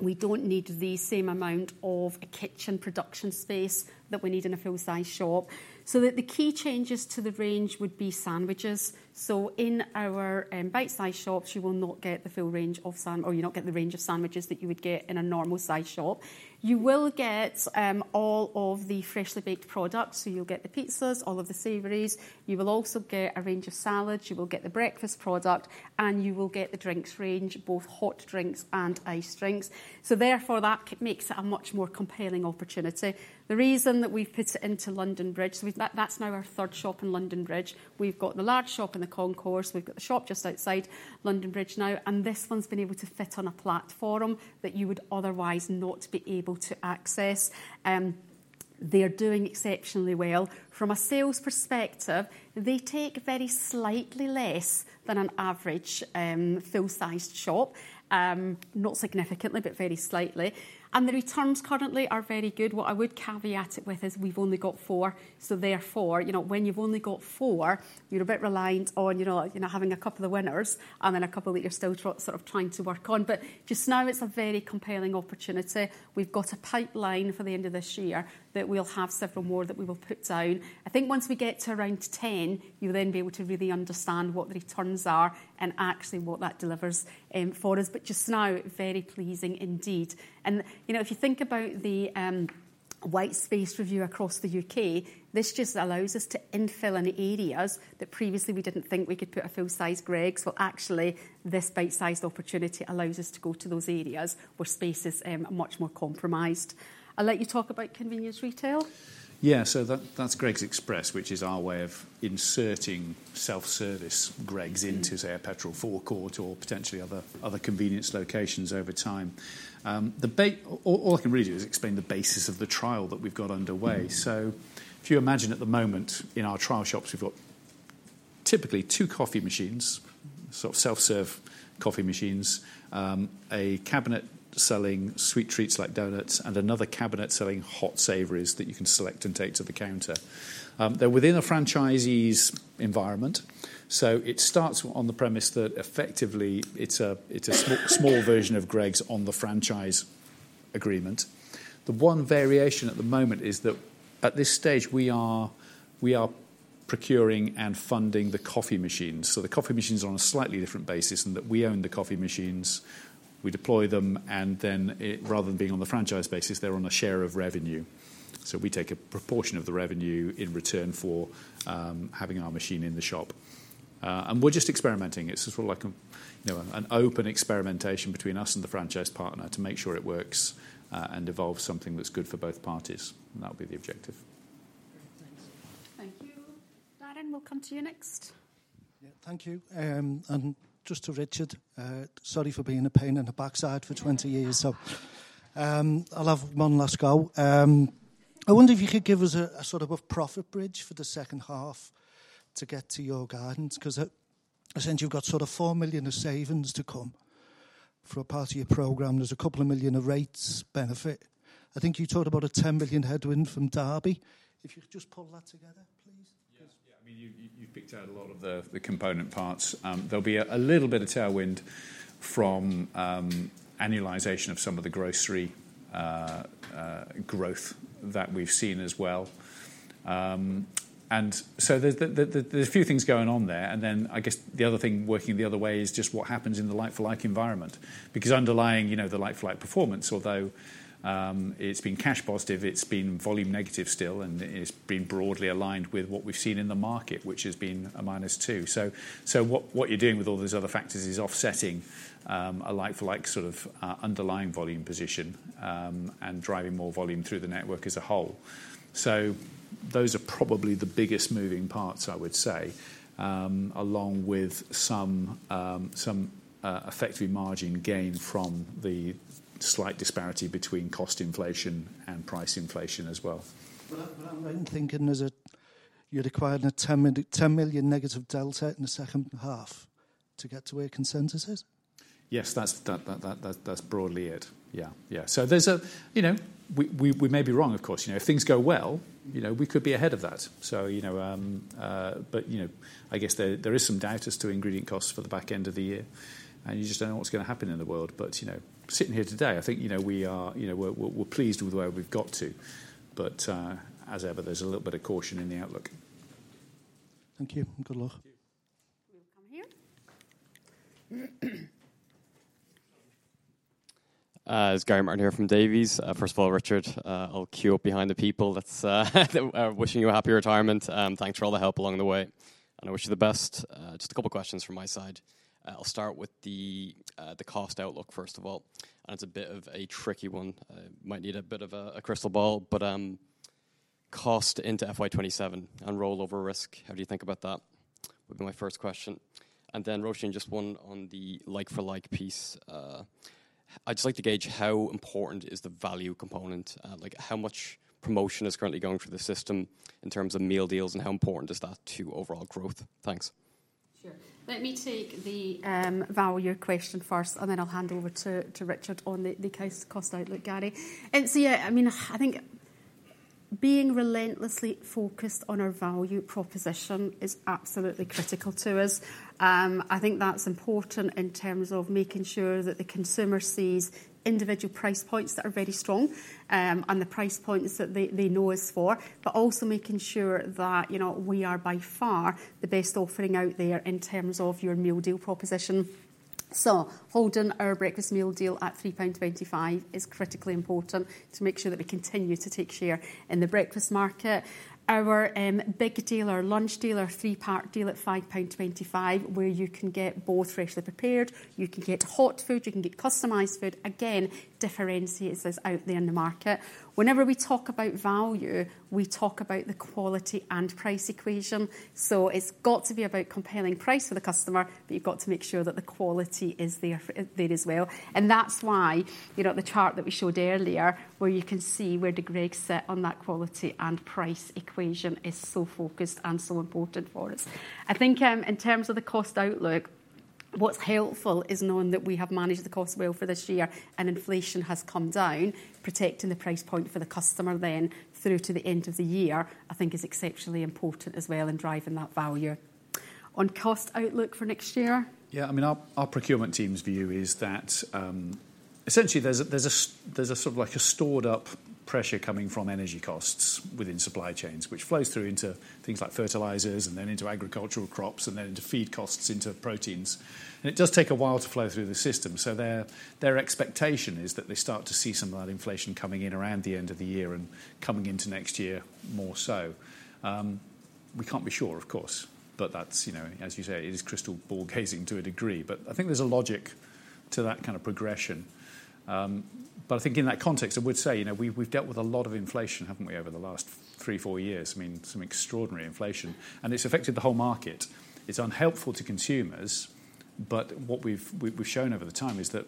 we don't need the same amount of a kitchen production space that we need in a full size shop. The key changes to the range would be sandwiches. In our Bitesize shops, you will not get the range of sandwiches that you would get in a normal size shop. You will get all of the freshly baked products, you'll get the pizzas, all of the savories. You will also get a range of salads. You will get the breakfast product, and you will get the drinks range, both hot drinks and iced drinks. Therefore, that makes it a much more compelling opportunity. The reason that we've put it into London Bridge, that's now our third shop in London Bridge. We've got the large shop in the concourse. We've got the shop just outside London Bridge now. This one's been able to fit on a platform that you would otherwise not be able to access. They are doing exceptionally well. From a sales perspective, they take very slightly less than an average full-sized shop. Not significantly, but very slightly. The returns currently are very good. What I would caveat it with is we've only got four. When you've only got four, you're a bit reliant on having a couple of winners and then a couple that you're still sort of trying to work on. Just now it's a very compelling opportunity. We've got a pipeline for the end of this year that we'll have several more that we will put down. I think once we get to around 10, you'll then be able to really understand what the returns are and actually what that delivers for us. Just now, very pleasing indeed. If you think about the white space review across the U.K., this just allows us to infill in areas that previously we didn't think we could put a full-size Greggs. Well, actually this bite-sized opportunity allows us to go to those areas where space is much more compromised. I'll let you talk about convenience retail. That's Greggs Express, which is our way of inserting self-service Greggs into, say, a petrol forecourt or potentially other convenience locations over time. All I can really do is explain the basis of the trial that we've got underway. If you imagine at the moment in our trial shops, we've got typically two coffee machines, sort of self-serve coffee machines. A cabinet selling sweet treats like donuts, and another cabinet selling hot savories that you can select and take to the counter. They're within a franchisee's environment. It starts on the premise that effectively it's a small version of Greggs on the franchise agreement. The one variation at the moment is that at this stage we are procuring and funding the coffee machines. The coffee machines are on a slightly different basis in that we own the coffee machines, we deploy them, rather than being on the franchise basis, they're on a share of revenue. We take a proportion of the revenue in return for having our machine in the shop. We're just experimenting. It's sort of like an open experimentation between us and the franchise partner to make sure it works, and evolves something that's good for both parties, and that would be the objective. Great. Thanks. Thank you. Darren, we'll come to you next. Thank you. Just to Richard, sorry for being a pain in the backside for 20 years. I'll have one last go. I wonder if you could give us a sort of a profit bridge for the second half to get to your guidance, because I sense you've got sort of 4 million of savings to come for a part of your program. There's a couple of million of rates benefit. I think you talked about a 10 million headwind from Derby. If you could just pull that together, please. Yes. Yeah. You've picked out a lot of the component parts. There'll be a little bit of tailwind from annualization of some of the grocery growth that we've seen as well. There's a few things going on there. Then I guess the other thing working the other way is just what happens in the like-for-like environment. Underlying the like-for-like performance, although it's been cash positive, it's been volume negative still, and it's been broadly aligned with what we've seen in the market, which has been a minus two. What you're doing with all those other factors is offsetting a like-for-like sort of underlying volume position, and driving more volume through the network as a whole. Those are probably the biggest moving parts I would say, along with some effective margin gain from the slight disparity between cost inflation and price inflation as well. I'm then thinking is it you're requiring a 10 million negative delta in the second half to get to where consensus is? Yes, that's broadly it. Yeah. We may be wrong, of course. If things go well, we could be ahead of that. I guess there is some doubt as to ingredient costs for the back end of the year, and you just don't know what's going to happen in the world. Sitting here today, I think we're pleased with where we've got to. As ever, there's a little bit of caution in the outlook. Thank you, and good luck. Thank you. We'll come here. It's Gary Martin here from Davy. First of all, Richard, I'll queue up behind the people that's wishing you a happy retirement. Thanks for all the help along the way, and I wish you the best. Just a couple questions from my side. I'll start with the cost outlook first of all. It's a bit of a tricky one. Might need a bit of a crystal ball. Cost into FY 2027 and rollover risk, how do you think about that? Would be my first question. Then Roisin, just one on the like for like piece. I'd just like to gauge how important is the value component? Like, how much promotion is currently going through the system in terms of meal deals, and how important is that to overall growth? Thanks. Sure. Let me take the value question first, then I'll hand over to Richard on the cost outlook, Gary. Yeah, I think being relentlessly focused on our value proposition is absolutely critical to us. I think that's important in terms of making sure that the consumer sees individual price points that are very strong, and the price points that they know us for. Also making sure that we are by far the best offering out there in terms of your meal deal proposition. Holding our breakfast meal deal at 3.25 pound is critically important to make sure that we continue to take share in the breakfast market. Our big deal, our lunch deal, our three-part deal at 5.25 pound, where you can get both freshly prepared, you can get hot food, you can get customized food. Again, differentiates us out there in the market. Whenever we talk about value, we talk about the quality and price equation. It's got to be about compelling price for the customer, but you've got to make sure that the quality is there as well. That's why the chart that we showed earlier, where you can see where Greggs sit on that quality and price equation is so focused and so important for us. I think in terms of the cost outlook, what's helpful is knowing that we have managed the cost well for this year and inflation has come down, protecting the price point for the customer then through to the end of the year, I think is exceptionally important as well in driving that value. On cost outlook for next year? Yeah, our procurement team's view is that essentially there's a sort of like a stored up pressure coming from energy costs within supply chains, which flows through into things like fertilizers and then into agricultural crops, and then into feed costs, into proteins. It does take a while to flow through the system. Their expectation is that they start to see some of that inflation coming in around the end of the year and coming into next year more so. We can't be sure, of course, but that's, as you say, it is crystal ball gazing to a degree, but I think there's a logic to that kind of progression. I think in that context, I would say, we've dealt with a lot of inflation, haven't we, over the last three, four years. Some extraordinary inflation, and it's affected the whole market. It's unhelpful to consumers, what we've shown over the time is that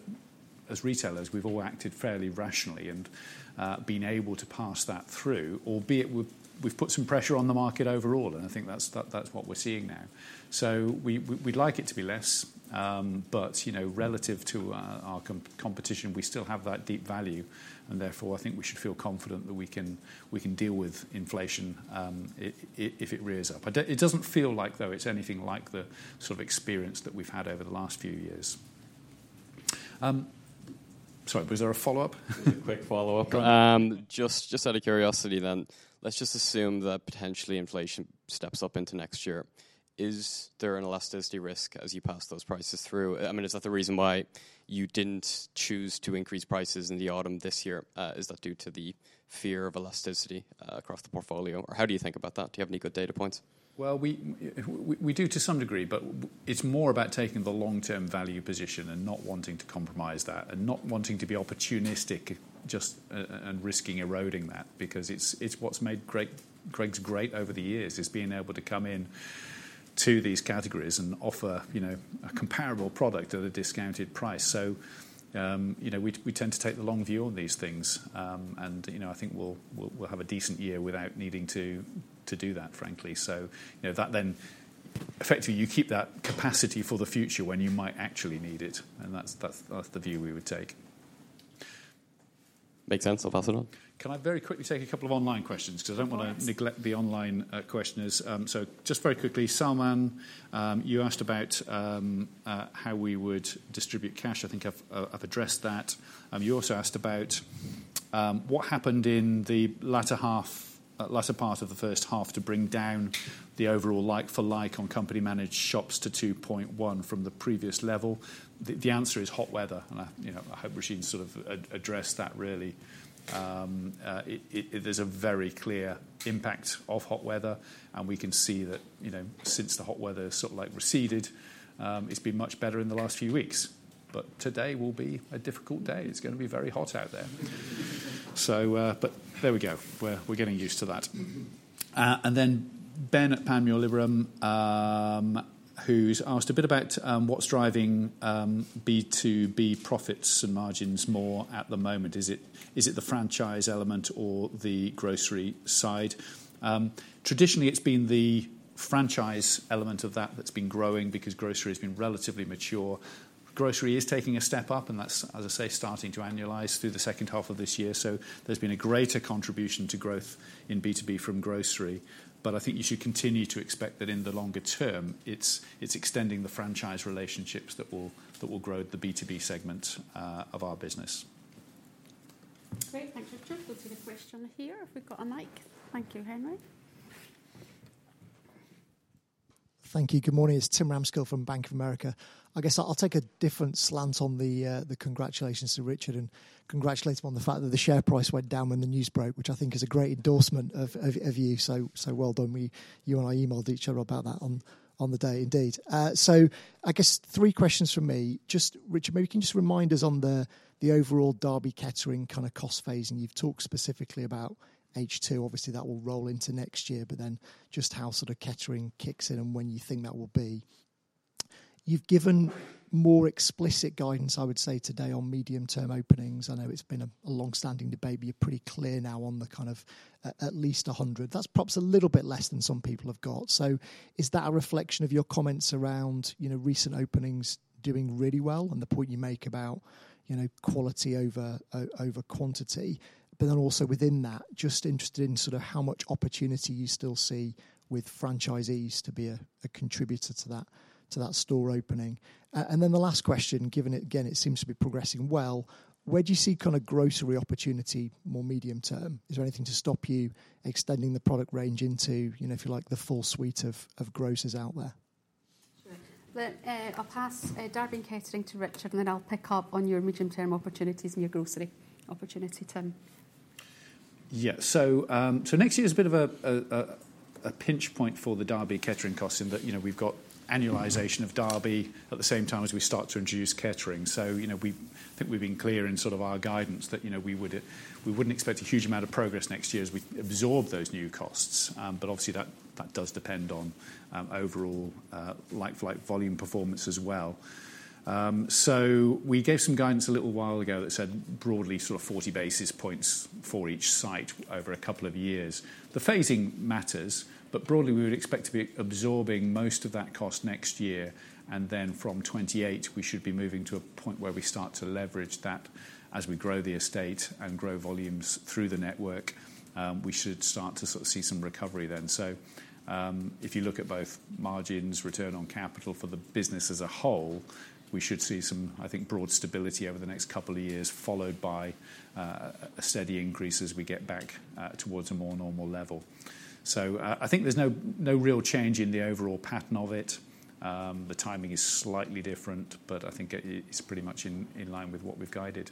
as retailers, we've all acted fairly rationally and been able to pass that through, albeit we've put some pressure on the market overall, and I think that's what we're seeing now. We'd like it to be less, relative to our competition, we still have that deep value, and therefore, I think we should feel confident that we can deal with inflation if it rears up. It doesn't feel like, though, it's anything like the sort of experience that we've had over the last few years. Sorry, was there a follow-up? A quick follow-up. Just out of curiosity then, let's just assume that potentially inflation steps up into next year. Is there an elasticity risk as you pass those prices through? I mean, is that the reason why you didn't choose to increase prices in the autumn this year? Is that due to the fear of elasticity across the portfolio? How do you think about that? Do you have any good data points? We do to some degree, but it's more about taking the long-term value position and not wanting to compromise that and not wanting to be opportunistic and risking eroding that because it's what's made Greggs great over the years, is being able to come in to these categories and offer a comparable product at a discounted price. We tend to take the long view on these things. I think we'll have a decent year without needing to do that, frankly. That then effectively you keep that capacity for the future when you might actually need it, and that's the view we would take. Makes sense. I'll pass it on. Can I very quickly take a couple of online questions? Yes. I don't want to neglect the online questioners. Just very quickly, Salman, you asked about how we would distribute cash. I think I've addressed that. You also asked about what happened in the latter part of the first half to bring down the overall like-for-like on company managed shops to 2.1 from the previous level. The answer is hot weather, and I hope Roisin sort of addressed that really. There's a very clear impact of hot weather, and we can see that since the hot weather sort of receded, it's been much better in the last few weeks. Today will be a difficult day. It's going to be very hot out there. There we go. We're getting used to that. Then Ben at Panmure Gordon, who's asked a bit about what's driving B2B profits and margins more at the moment. Is it the franchise element or the grocery side? Traditionally, it's been the franchise element of that that's been growing because grocery has been relatively mature. Grocery is taking a step up, and that's, as I say, starting to annualize through the second half of this year. There's been a greater contribution to growth in B2B from grocery. I think you should continue to expect that in the longer term, it's extending the franchise relationships that will grow the B2B segment of our business. Great. Thanks, Richard. We'll take a question here if we've got a mic. Thank you, Henry. Thank you. Good morning. It's Tim Ramskill from Bank of America. I guess I'll take a different slant on the congratulations to Richard and congratulate him on the fact that the share price went down when the news broke, which I think is a great endorsement of you. Well done. You and I emailed each other about that on the day indeed. I guess three questions from me. Just Richard, maybe can you just remind us on the overall Derby, Kettering kind of cost phasing. You've talked specifically about H2. Obviously, that will roll into next year, but then just how sort of Kettering kicks in and when you think that will be. You've given more explicit guidance, I would say, today on medium term openings. I know it's been a long standing debate, but you're pretty clear now on the kind of at least 100. That's perhaps a little bit less than some people have got. Is that a reflection of your comments around recent openings doing really well and the point you make about quality over quantity? Also within that, just interested in sort of how much opportunity you still see with franchisees to be a contributor to that store opening. The last question, given again, it seems to be progressing well, where do you see kind of grocery opportunity more medium term? Is there anything to stop you extending the product range into, if you like, the full suite of grocers out there? Sure. I will pass Derby and Kettering to Richard, I will pick up on your medium term opportunities and your grocery opportunity, Tim. Yeah. Next year is a bit of a pinch point for the Derby, Kettering cost in that we have got annualization of Derby at the same time as we start to introduce Kettering. I think we have been clear in sort of our guidance that we would not expect a huge amount of progress next year as we absorb those new costs. Obviously that does depend on overall like-for-like volume performance as well. We gave some guidance a little while ago that said broadly sort of 40 basis points for each site over a couple of years. The phasing matters, broadly, we would expect to be absorbing most of that cost next year, and then from 2028, we should be moving to a point where we start to leverage that as we grow the estate and grow volumes through the network. We should start to sort of see some recovery then. If you look at both margins, return on capital for the business as a whole, we should see some, I think, broad stability over the next couple of years, followed by a steady increase as we get back towards a more normal level. I think there is no real change in the overall pattern of it. The timing is slightly different, I think it is pretty much in line with what we have guided.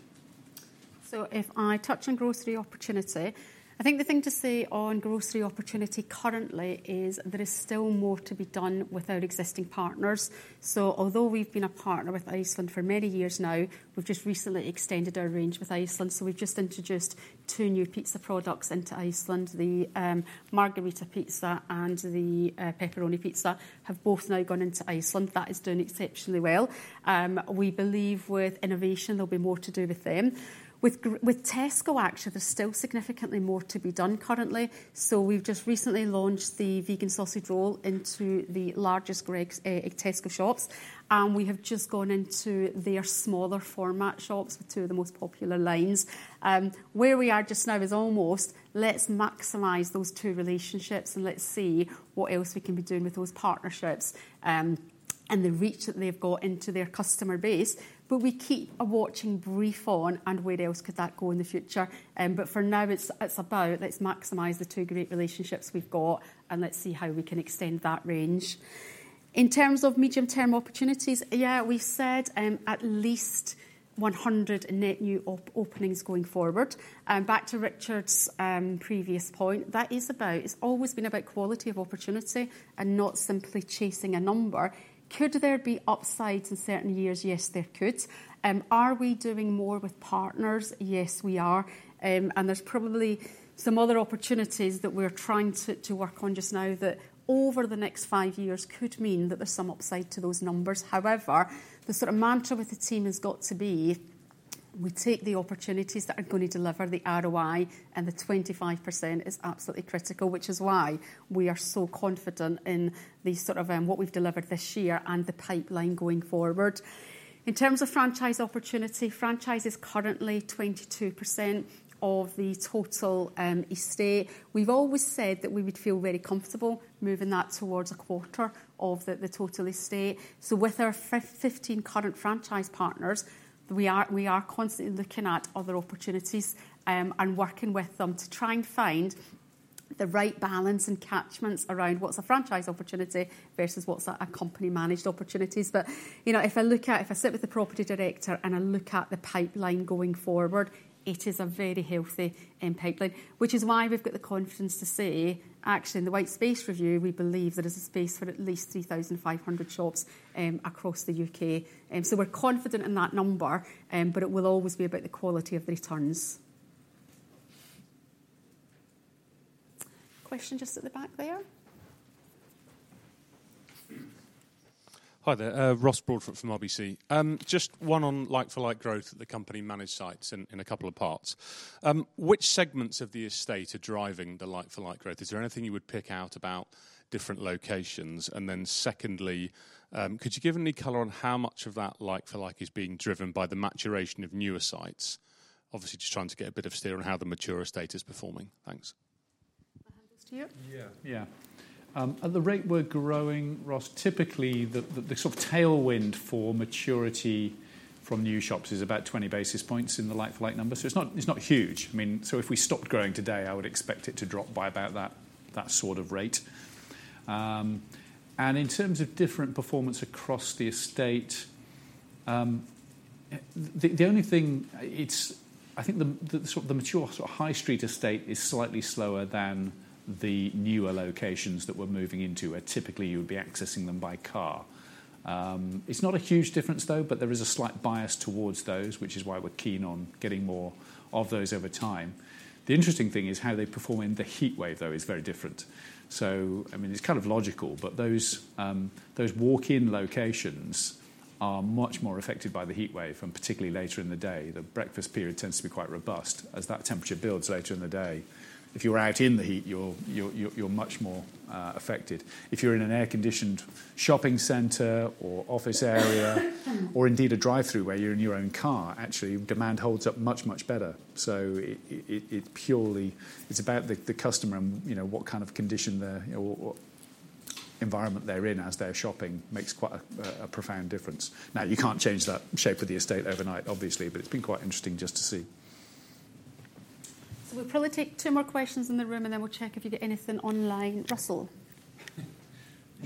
If I touch on grocery opportunity, I think the thing to say on grocery opportunity currently is there is still more to be done with our existing partners. Although we have been a partner with Iceland for many years now, we have just recently extended our range with Iceland. We have just introduced two new pizza products into Iceland. The Margherita Pizza and the Pepperoni Pizza have both now gone into Iceland. That is doing exceptionally well. We believe with innovation, there will be more to do with them. With Tesco, actually, there is still significantly more to be done currently. We have just recently launched the Vegan Sausage Roll into the largest Greggs Tesco shops, and we have just gone into their smaller format shops with two of the most popular lines. Where we are just now is almost, let's maximize those two relationships and let's see what else we can be doing with those partnerships, and the reach that they've got into their customer base. We keep a watching brief on and where else could that go in the future. For now, it's about, let's maximize the two great relationships we've got and let's see how we can extend that range. In terms of medium-term opportunities, yeah, we've said at least 100 net new openings going forward. Back to Richard's previous point, that is about, it's always been about quality of opportunity and not simply chasing a number. Could there be upsides in certain years? Yes, there could. Are we doing more with partners? Yes, we are. There's probably some other opportunities that we're trying to work on just now that over the next five years could mean that there's some upside to those numbers. However, the sort of mantra with the team has got to be, we take the opportunities that are going to deliver the ROI, and the 25% is absolutely critical, which is why we are so confident in what we've delivered this year and the pipeline going forward. In terms of franchise opportunity, franchise is currently 22% of the total estate. We've always said that we would feel very comfortable moving that towards a quarter of the total estate. With our 15 current franchise partners, we are constantly looking at other opportunities, and working with them to try and find the right balance and catchments around what's a franchise opportunity versus what's a company managed opportunities. If I sit with the property director and I look at the pipeline going forward, it is a very healthy pipeline, which is why we've got the confidence to say, actually, in the white space review, we believe there is a space for at least 3,500 shops across the U.K. We're confident in that number, but it will always be about the quality of the returns. Question just at the back there. Hi there. Ross Broadfoot from RBC. Just one on like-for-like growth at the company managed sites in a couple of parts. Which segments of the estate are driving the like-for-like growth? Is there anything you would pick out about different locations? Then secondly, could you give any color on how much of that like-for-like is being driven by the maturation of newer sites? Obviously, just trying to get a bit of steer on how the mature estate is performing. Thanks. I'll hand this to you. Yeah. At the rate we're growing, Ross, typically, the sort of tailwind for maturity from new shops is about 20 basis points in the like-for-like numbers. It's not huge. If we stopped growing today, I would expect it to drop by about that sort of rate. In terms of different performance across the estate, the only thing, I think the sort of the mature sort of high street estate is slightly slower than the newer locations that we're moving into, where typically you would be accessing them by car. It's not a huge difference, though, but there is a slight bias towards those, which is why we're keen on getting more of those over time. The interesting thing is how they perform in the heat wave, though, is very different. It's kind of logical, but those walk-in locations are much more affected by the heat wave, and particularly later in the day. The breakfast period tends to be quite robust. As that temperature builds later in the day, if you're out in the heat, you're much more affected. If you're in an air-conditioned shopping center or office area, or indeed a drive-through where you're in your own car, actually, demand holds up much, much better. It's about the customer and what kind of condition or environment they're in as they're shopping makes quite a profound difference. Now, you can't change that shape of the estate overnight, obviously, but it's been quite interesting just to see. We'll probably take two more questions in the room, and then we'll check if you get anything online. Russell.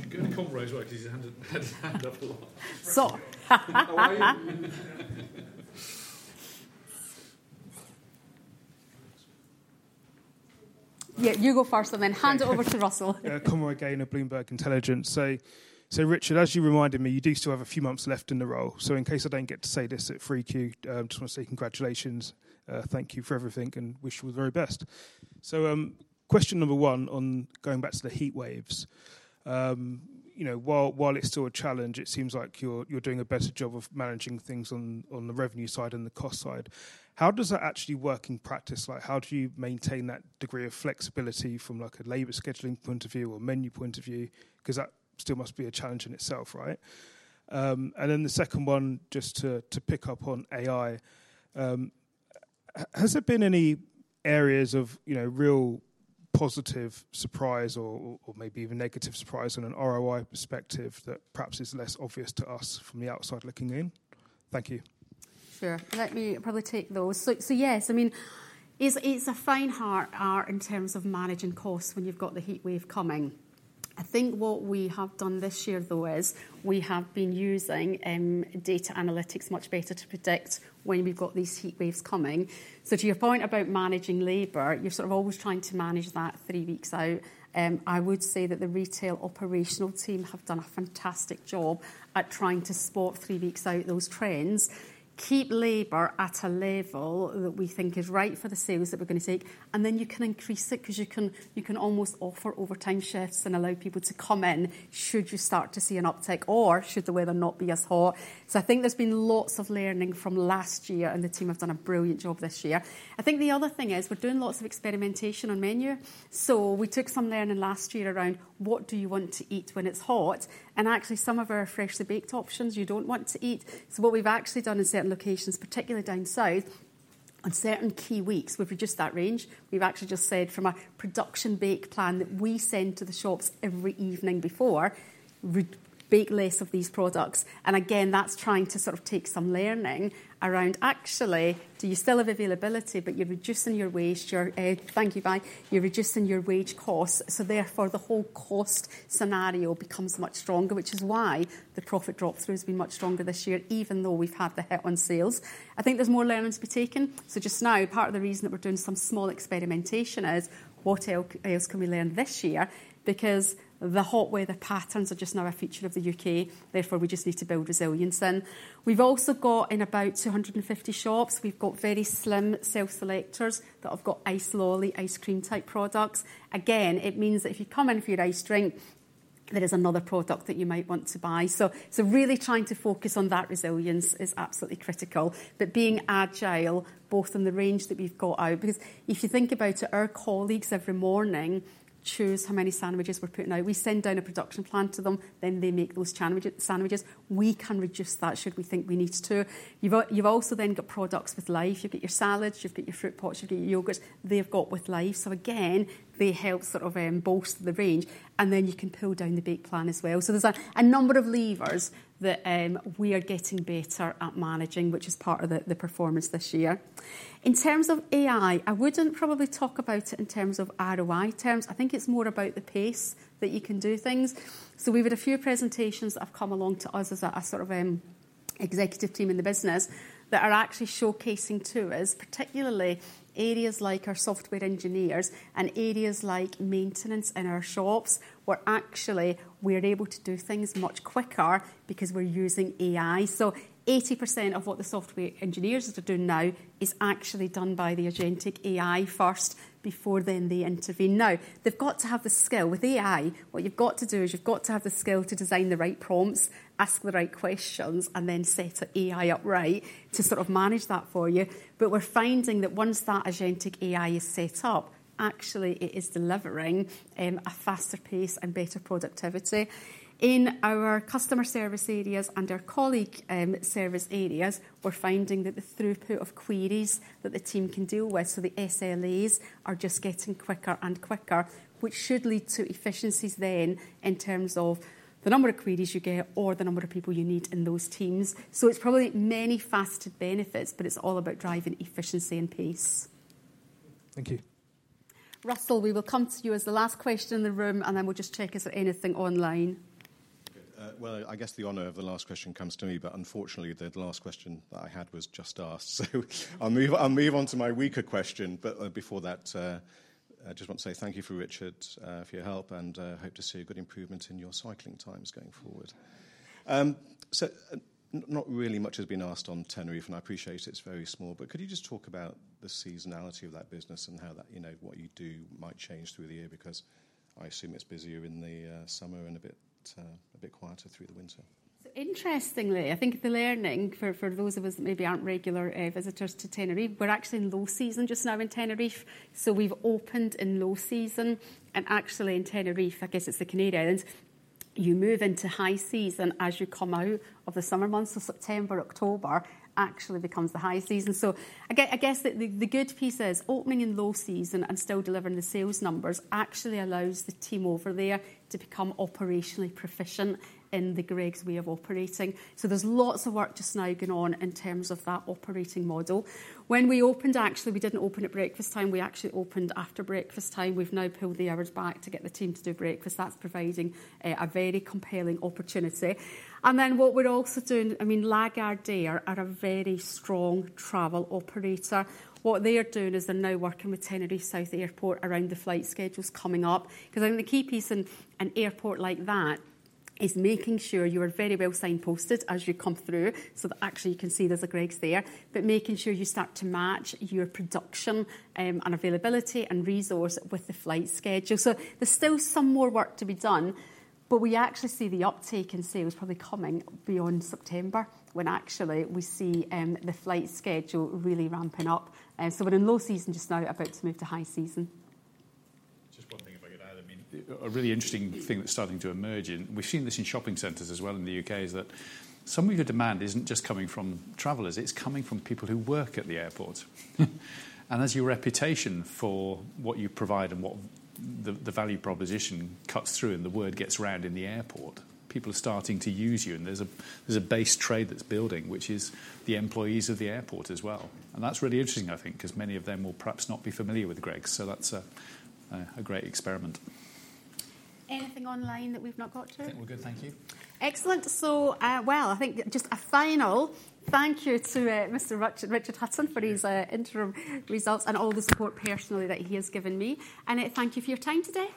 Give it to Conroy as well because he's had his hand up a lot. How are you? Yeah, you go first, then hand it over to Russ. Yeah, Conroy Gayne of Bloomberg Intelligence. Richard, as you reminded me, you do still have a few months left in the role. In case I don't get to say this at 3Q, just want to say congratulations, thank you for everything, wish you all the very best. Question number one, on going back to the heat waves. While it's still a challenge, it seems like you're doing a better job of managing things on the revenue side and the cost side. How does that actually work in practice? How do you maintain that degree of flexibility from a labor scheduling point of view or menu point of view? That still must be a challenge in itself, right? The second one, just to pick up on AI, has there been any areas of real positive surprise or maybe even negative surprise on an ROI perspective that perhaps is less obvious to us from the outside looking in? Thank you. Sure. Let me probably take those. Yes, it's a fine art in terms of managing costs when you've got the heatwave coming. I think what we have done this year, though, is we have been using data analytics much better to predict when we've got these heatwaves coming. To your point about managing labor, you're sort of always trying to manage that three weeks out. I would say that the retail operational team have done a fantastic job at trying to spot, three weeks out, those trends, keep labor at a level that we think is right for the sales that we're going to take, and then you can increase it because you can almost offer overtime shifts and allow people to come in should you start to see an uptick or should the weather not be as hot. I think there's been lots of learning from last year, and the team have done a brilliant job this year. I think the other thing is we're doing lots of experimentation on menu. We took some learning last year around what do you want to eat when it's hot, and actually some of our freshly baked options you don't want to eat. What we've actually done in certain locations, particularly down south, on certain key weeks, we've reduced that range. We've actually just said from a production bake plan that we send to the shops every evening before, bake less of these products. Again, that's trying to sort of take some learning around actually, do you still have availability, but you're reducing your waste, thank you, Vi. You're reducing your wage costs, therefore the whole cost scenario becomes much stronger, which is why the profit drop through has been much stronger this year, even though we've had the hit on sales. I think there's more learning to be taken. Just now, part of the reason that we're doing some small experimentation is what else can we learn this year? Because the hot weather patterns are just now a feature of the U.K., therefore, we just need to build resilience in. We've also got in about 250 shops, we've got very slim self-selectors that have got ice lolly, ice cream type products. Again, it means that if you come in for your iced drink, there is another product that you might want to buy. Really trying to focus on that resilience is absolutely critical. Being agile, both in the range that we've got out, because if you think about it, our colleagues every morning choose how many sandwiches we're putting out. We send down a production plan to them, then they make those sandwiches. We can reduce that should we think we need to. You've also got products with life. You've got your salads, you've got your fruit pots, you've got your yogurts. They've got with life. Again, they help sort of bolster the range. You can pull down the bake plan as well. There's a number of levers that we are getting better at managing, which is part of the performance this year. In terms of AI, I wouldn't probably talk about it in terms of ROI. I think it's more about the pace that you can do things. We've had a few presentations that have come along to us as a sort of executive team in the business that are actually showcasing to us, particularly areas like our software engineers and areas like maintenance in our shops, where actually we're able to do things much quicker because we're using AI. 80% of what the software engineers are doing now is actually done by the agentic AI first before then they intervene. They've got to have the skill. With AI, what you've got to do is you've got to have the skill to design the right prompts, ask the right questions, and then set AI up right to sort of manage that for you. We're finding that once that agentic AI is set up, actually it is delivering a faster pace and better productivity. In our customer service areas and our colleague service areas, we're finding that the throughput of queries that the team can deal with, so the SLAs are just getting quicker and quicker, which should lead to efficiencies then in terms of the number of queries you get or the number of people you need in those teams. It's probably many faster benefits, but it's all about driving efficiency and pace. Thank you. Russell, we will come to you as the last question in the room, and then we'll just check is there anything online. I guess the honor of the last question comes to me, unfortunately, the last question that I had was just asked. I'll move on to my weaker question. Before that, I just want to say thank you for Richard for your help and hope to see a good improvement in your cycling times going forward. Not really much has been asked on Tenerife, and I appreciate it's very small, but could you just talk about the seasonality of that business and how what you do might change through the year? Because I assume it's busier in the summer and a bit quieter through the winter. Interestingly, I think the learning for those of us that maybe aren't regular visitors to Tenerife, we're actually in low season just now in Tenerife. We've opened in low season and actually in Tenerife, I guess it's the Canary Islands, you move into high season as you come out of the summer months, so September, October actually becomes the high season. I guess the good piece is opening in low season and still delivering the sales numbers actually allows the team over there to become operationally proficient in the Greggs way of operating. There's lots of work just now going on in terms of that operating model. When we opened, actually, we didn't open at breakfast time. We actually opened after breakfast time. We've now pulled the hours back to get the team to do breakfast. That's providing a very compelling opportunity. What we're also doing, Lagardère are a very strong travel operator. What they are doing is they're now working with Tenerife South Airport around the flight schedules coming up, because I think the key piece in an airport like that is making sure you are very well signposted as you come through, so that actually you can see there's a Greggs there. Making sure you start to match your production and availability and resource with the flight schedule. There's still some more work to be done, but we actually see the uptake in sales probably coming beyond September, when actually we see the flight schedule really ramping up. We're in low season just now, about to move to high season. Just one thing, if I could add. A really interesting thing that is starting to emerge, and we have seen this in shopping centers as well in the U.K., is that some of your demand isn't just coming from travelers, it is coming from people who work at the airport. As your reputation for what you provide and what the value proposition cuts through and the word gets around in the airport, people are starting to use you, and there is a base trade that is building, which is the employees of the airport as well. That is really interesting, I think, because many of them will perhaps not be familiar with Greggs, so that is a great experiment. Anything online that we have not got to? I think we are good. Thank you. Excellent. Well, I think just a final thank you to Mr. Richard Hutton for his interim results and all the support personally that he has given me. Thank you for your time today.